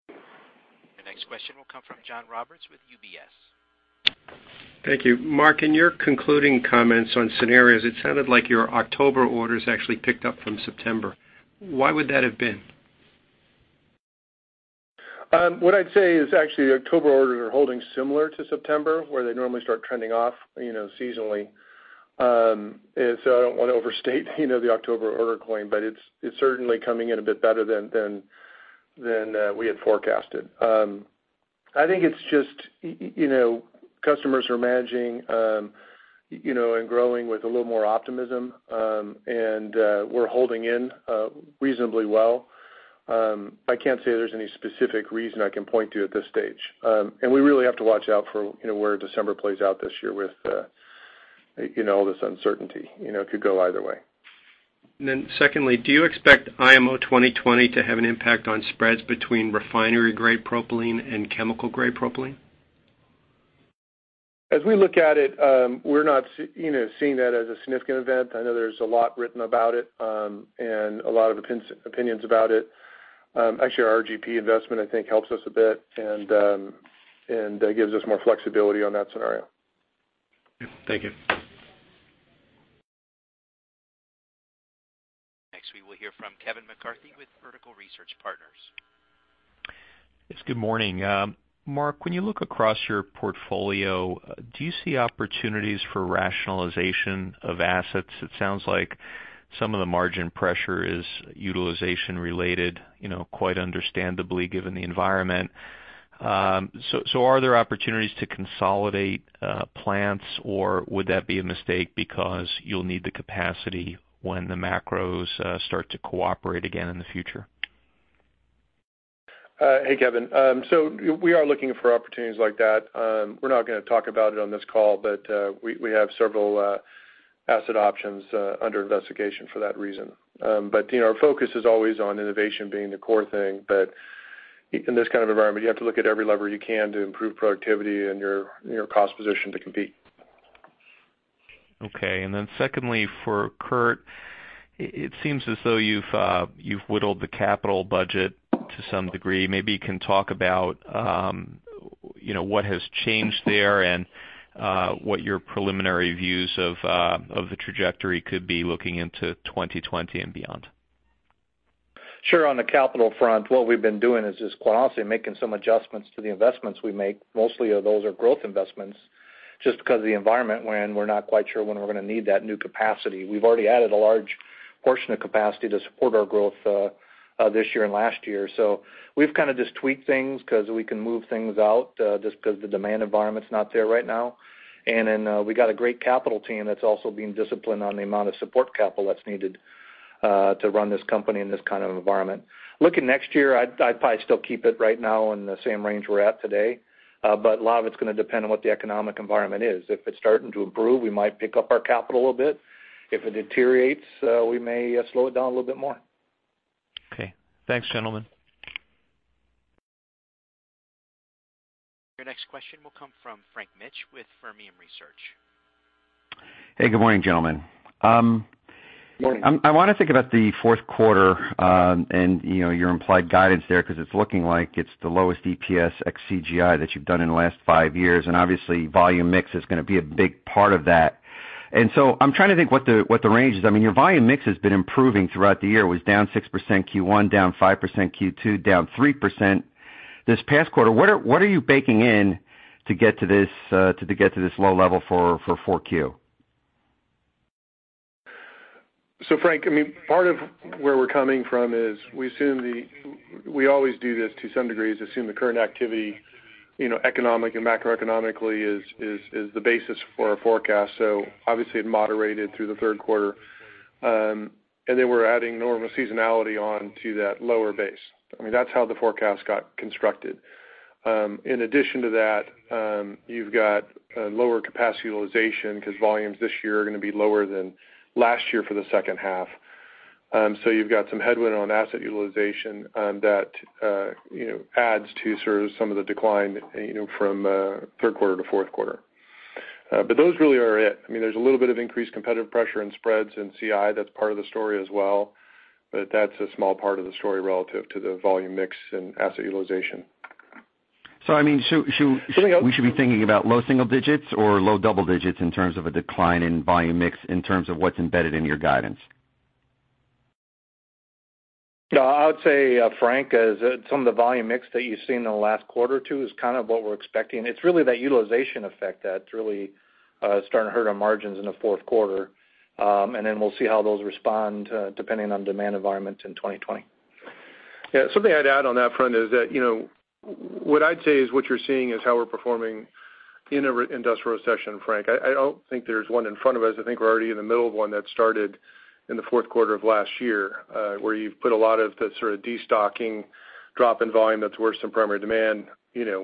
The next question will come from John Roberts with UBS. Thank you. Mark, in your concluding comments on scenarios, it sounded like your October orders actually picked up from September. Why would that have been? What I'd say is actually October orders are holding similar to September, where they normally start trending off seasonally. I don't want to overstate the October order point, but it's certainly coming in a bit better than we had forecasted. I think it's just customers are managing and growing with a little more optimism, and we're holding in reasonably well. I can't say there's any specific reason I can point to at this stage. We really have to watch out for where December plays out this year with all this uncertainty. It could go either way. Secondly, do you expect IMO 2020 to have an impact on spreads between refinery-grade propylene and chemical-grade propylene? As we look at it, we're not seeing that as a significant event. I know there's a lot written about it, and a lot of opinions about it. Actually, our RGP investment I think helps us a bit and gives us more flexibility on that scenario. Thank you. Kevin McCarthy with Vertical Research Partners. Yes, good morning. Mark, when you look across your portfolio, do you see opportunities for rationalization of assets? It sounds like some of the margin pressure is utilization related, quite understandably, given the environment. Are there opportunities to consolidate plants, or would that be a mistake because you'll need the capacity when the macros start to cooperate again in the future? Hey, Kevin. We are looking for opportunities like that. We're not going to talk about it on this call, but we have several asset options under investigation for that reason. Our focus is always on innovation being the core thing. In this kind of environment, you have to look at every lever you can to improve productivity and your cost position to compete. Okay. Then secondly, for Curt, it seems as though you've whittled the capital budget to some degree. Maybe you can talk about what has changed there and what your preliminary views of the trajectory could be looking into 2020 and beyond. Sure. On the capital front, what we've been doing is quite honestly making some adjustments to the investments we make. Mostly those are growth investments just because of the environment when we're not quite sure when we're going to need that new capacity. We've already added a large portion of capacity to support our growth this year and last year. We've kind of just tweaked things because we can move things out just because the demand environment's not there right now. We got a great capital team that's also being disciplined on the amount of support capital that's needed to run this company in this kind of environment. Looking next year, I'd probably still keep it right now in the same range we're at today, but a lot of it's going to depend on what the economic environment is. If it's starting to improve, we might pick up our capital a bit. If it deteriorates, we may slow it down a little bit more. Okay. Thanks, gentlemen. Your next question will come from Frank Mitsch with Fermium Research. Hey, good morning, gentlemen. Morning. I want to think about the fourth quarter, and your implied guidance there, because it's looking like it's the lowest EPS ex CI that you've done in the last 5 years, and obviously volume mix is going to be a big part of that. I'm trying to think what the range is. Your volume mix has been improving throughout the year. It was down 6% Q1, down 5% Q2, down 3% this past quarter. What are you baking in to get to this low level for 4Q? Frank, part of where we're coming from is we always do this to some degree, is assume the current activity, economic and macroeconomically, is the basis for our forecast. Obviously it moderated through the third quarter. Then we're adding normal seasonality on to that lower base. That's how the forecast got constructed. In addition to that, you've got lower capacity utilization because volumes this year are going to be lower than last year for the second half. You've got some headwind on asset utilization that adds to sort of some of the decline from third quarter to fourth quarter. Those really are it. There's a little bit of increased competitive pressure in spreads in CI. That's part of the story as well, but that's a small part of the story relative to the volume mix and asset utilization. Should we be thinking about low single digits or low double digits in terms of a decline in volume mix in terms of what's embedded in your guidance? No, I would say, Frank, some of the volume mix that you've seen in the last quarter, too, is kind of what we're expecting. It's really that utilization effect that's really starting to hurt our margins in the fourth quarter. Then we'll see how those respond depending on demand environment in 2020. Yeah. Something I'd add on that front is that what I'd say is what you're seeing is how we're performing in an industrial recession, Frank. I don't think there's one in front of us. I think we're already in the middle of one that started in the fourth quarter of last year, where you've put a lot of that sort of de-stocking drop in volume that's worse than primary demand.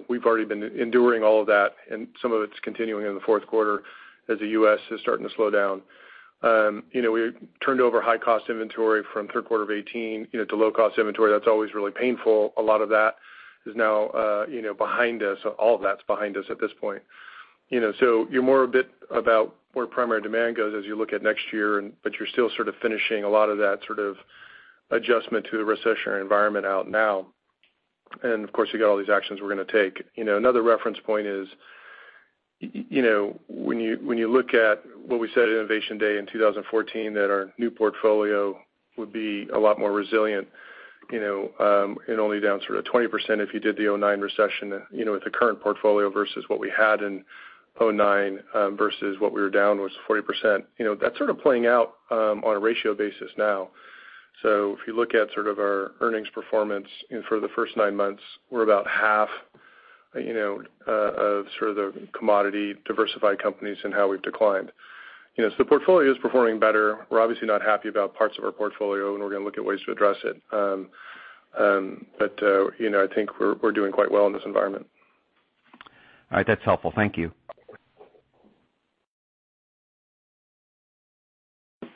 We've already been enduring all of that, and some of it's continuing in the fourth quarter as the U.S. is starting to slow down. We turned over high cost inventory from third quarter of 2018 to low cost inventory. That's always really painful. A lot of that is now behind us. All of that's behind us at this point. You're more a bit about where primary demand goes as you look at next year, but you're still sort of finishing a lot of that sort of adjustment to the recessionary environment out now. Of course, you've got all these actions we're going to take. Another reference point is when you look at what we said at Innovation Day in 2014, that our new portfolio would be a lot more resilient, and only down sort of 20% if you did the 2009 recession with the current portfolio versus what we had in 2009 versus what we were down was 40%. That's sort of playing out on a ratio basis now. If you look at sort of our earnings performance for the first nine months, we're about half of sort of the commodity diversified companies and how we've declined. The portfolio is performing better. We're obviously not happy about parts of our portfolio, and we're going to look at ways to address it. I think we're doing quite well in this environment. All right. That's helpful. Thank you.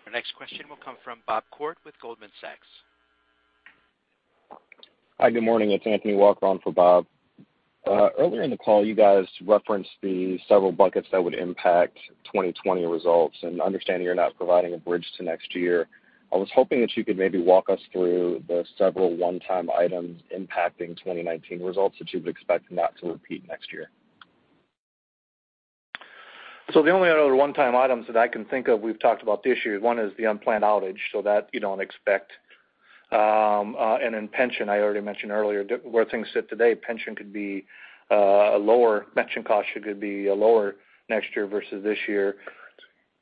Our next question will come from Bob Koort with Goldman Sachs. Hi, good morning. It's Anthony Walker on for Bob. Earlier in the call, you guys referenced the several buckets that would impact 2020 results. Understanding you're not providing a bridge to next year, I was hoping that you could maybe walk us through the several one-time items impacting 2019 results that you would expect not to repeat next year. The only other one-time items that I can think of, we've talked about this year, one is the unplanned outage, so that you don't expect. Pension, I already mentioned earlier, where things sit today, pension cost could be lower next year versus this year.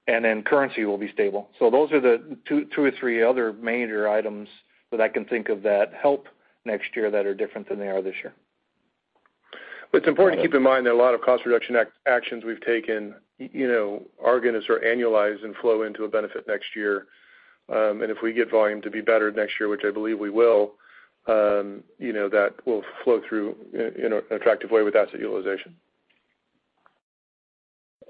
Currency will be stable. Those are the two or three other major items that I can think of that help next year that are different than they are this year. It's important to keep in mind that a lot of cost reduction actions we've taken are going to sort of annualize and flow into a benefit next year. If we get volume to be better next year, which I believe we will, that will flow through in an attractive way with asset utilization.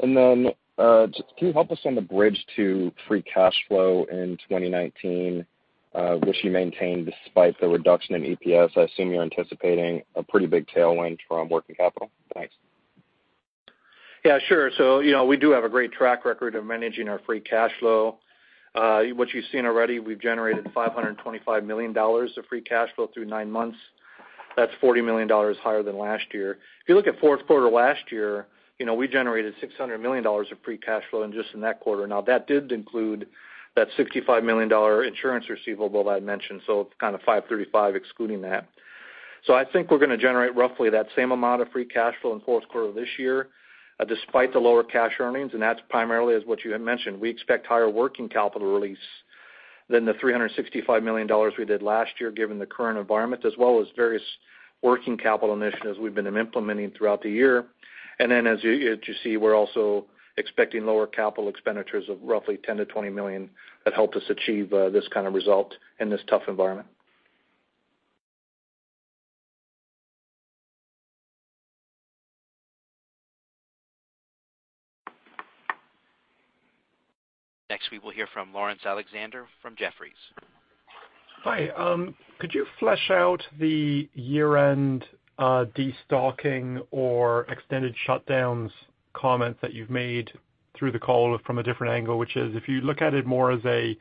Can you help us on the bridge to free cash flow in 2019, which you maintained despite the reduction in EPS? I assume you're anticipating a pretty big tailwind from working capital. Thanks. Yeah, sure. We do have a great track record of managing our free cash flow. What you've seen already, we've generated $525 million of free cash flow through nine months. That's $40 million higher than last year. If you look at fourth quarter last year, we generated $600 million of free cash flow and just in that quarter. Now, that did include that $65 million insurance receivable that I mentioned, so it's kind of $535 excluding that. I think we're going to generate roughly that same amount of free cash flow in the fourth quarter of this year, despite the lower cash earnings, and that's primarily as what you had mentioned. We expect higher working capital release than the $365 million we did last year, given the current environment, as well as various working capital initiatives we've been implementing throughout the year. As you see, we're also expecting lower capital expenditures of roughly $10 million-$20 million that help us achieve this kind of result in this tough environment. Next, we will hear from Laurence Alexander from Jefferies. Hi. Could you flesh out the year-end destocking or extended shutdowns comment that you've made through the call from a different angle, which is, if you look at it more as a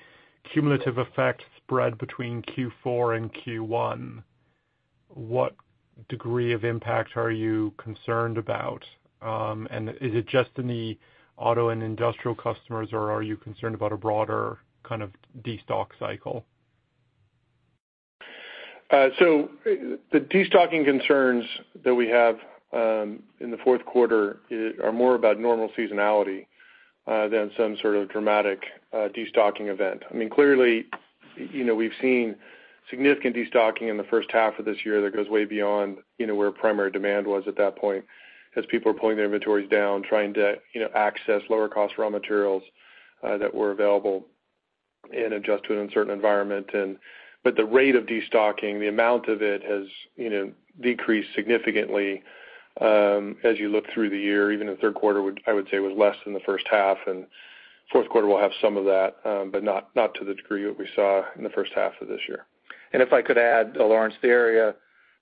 cumulative effect spread between Q4 and Q1, what degree of impact are you concerned about? Is it just in the auto and industrial customers, or are you concerned about a broader kind of destock cycle? The destocking concerns that we have in the fourth quarter are more about normal seasonality than some sort of dramatic destocking event. Clearly, we've seen significant destocking in the first half of this year that goes way beyond where primary demand was at that point, as people are pulling their inventories down, trying to access lower cost raw materials that were available and adjust to an uncertain environment. The rate of destocking, the amount of it has decreased significantly as you look through the year. Even the third quarter, I would say, was less than the first half, and fourth quarter will have some of that, but not to the degree that we saw in the first half of this year. If I could add, Laurence, the area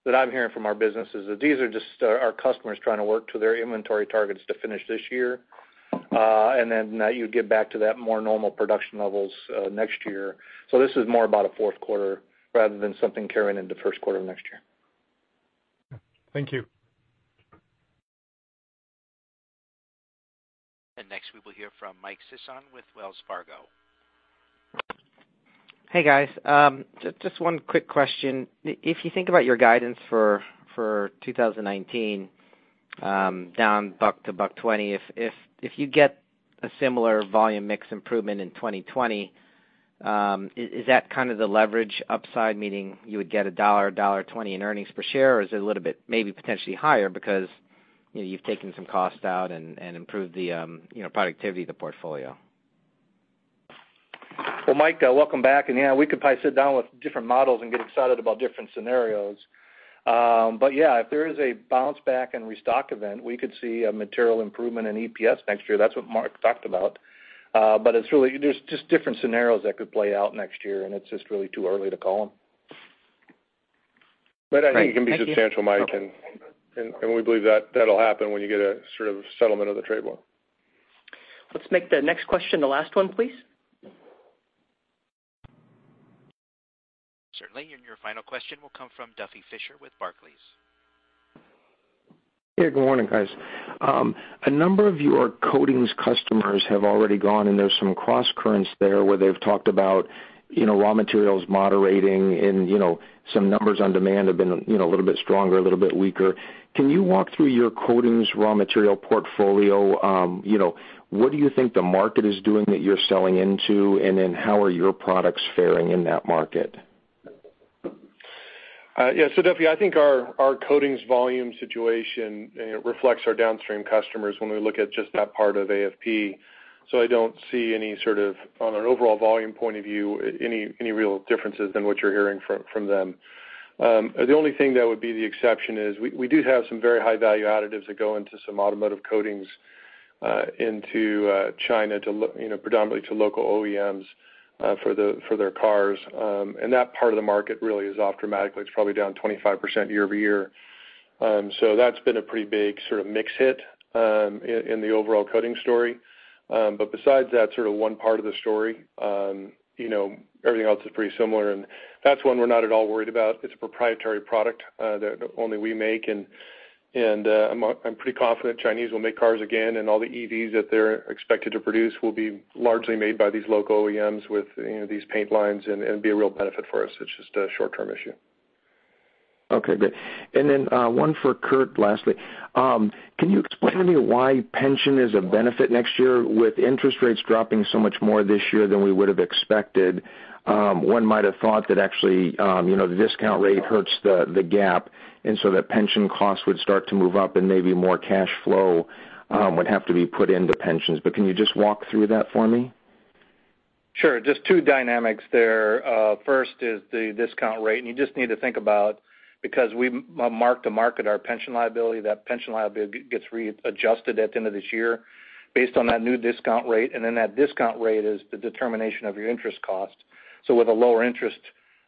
that I'm hearing from our businesses, that these are just our customers trying to work to their inventory targets to finish this year. Now you get back to that more normal production levels next year. This is more about a fourth quarter rather than something carrying into first quarter of next year. Thank you. Next we will hear from Michael Sison with Wells Fargo. Hey, guys. Just one quick question. If you think about your guidance for 2019, down $1-$1.20, if you get a similar volume mix improvement in 2020, is that kind of the leverage upside, meaning you would get a $1, $1.20 in earnings per share, or is it a little bit maybe potentially higher because you've taken some cost out and improved the productivity of the portfolio? Well, Mike, welcome back. Yeah, we could probably sit down with different models and get excited about different scenarios. Yeah, if there is a bounce back and restock event, we could see a material improvement in EPS next year. That's what Mark talked about. There's just different scenarios that could play out next year, and it's just really too early to call them. I think it can be substantial, Mike. Great. Thank you. Okay. We believe that'll happen when you get a sort of settlement of the trade war. Let's make the next question the last one, please. Certainly. Your final question will come from Duffy Fischer with Barclays. Hey, good morning, guys. A number of your coatings customers have already gone, and there's some cross currents there where they've talked about raw materials moderating and some numbers on demand have been a little bit stronger, a little bit weaker. Can you walk through your coatings raw material portfolio? What do you think the market is doing that you're selling into? How are your products fairing in that market? Yeah. Duffy, I think our coatings volume situation reflects our downstream customers when we look at just that part of AFP. I don't see any sort of, on an overall volume point of view, any real differences than what you're hearing from them. The only thing that would be the exception is we do have some very high-value additives that go into some automotive coatings into China predominantly to local OEMs for their cars. That part of the market really is off dramatically. It's probably down 25% year-over-year. That's been a pretty big sort of mix hit in the overall coatings story. Besides that sort of one part of the story, everything else is pretty similar, and that's one we're not at all worried about. It's a proprietary product that only we make, and I'm pretty confident Chinese will make cars again, and all the EVs that they're expected to produce will be largely made by these local OEMs with these paint lines and be a real benefit for us. It's just a short-term issue. Okay, good. One for Curt, lastly. Can you explain to me why pension is a benefit next year? With interest rates dropping so much more this year than we would have expected, one might have thought that actually the discount rate hurts the GAAP, that pension costs would start to move up and maybe more cash flow would have to be put into pensions. Can you just walk through that for me? Sure. Just two dynamics there. First is the discount rate. You just need to think about, because we mark to market our pension liability, that pension liability gets readjusted at the end of this year based on that new discount rate. That discount rate is the determination of your interest cost.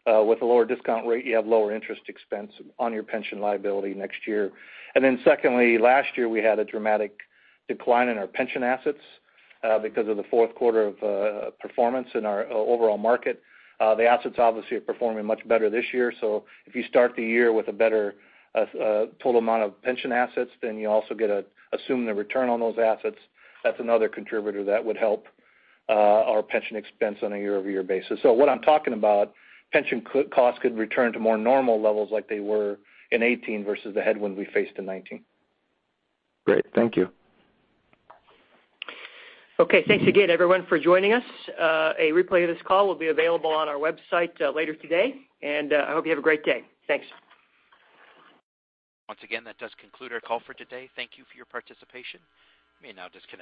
With a lower discount rate, you have lower interest expense on your pension liability next year. Secondly, last year, we had a dramatic decline in our pension assets because of the fourth quarter of performance in our overall market. The assets obviously are performing much better this year. If you start the year with a better total amount of pension assets, then you also get to assume the return on those assets. That's another contributor that would help our pension expense on a year-over-year basis. What I'm talking about, pension costs could return to more normal levels like they were in 2018 versus the headwind we faced in 2019. Great. Thank you. Okay, thanks again, everyone, for joining us. A replay of this call will be available on our website later today, and I hope you have a great day. Thanks. Once again, that does conclude our call for today. Thank you for your participation. You may now disconnect.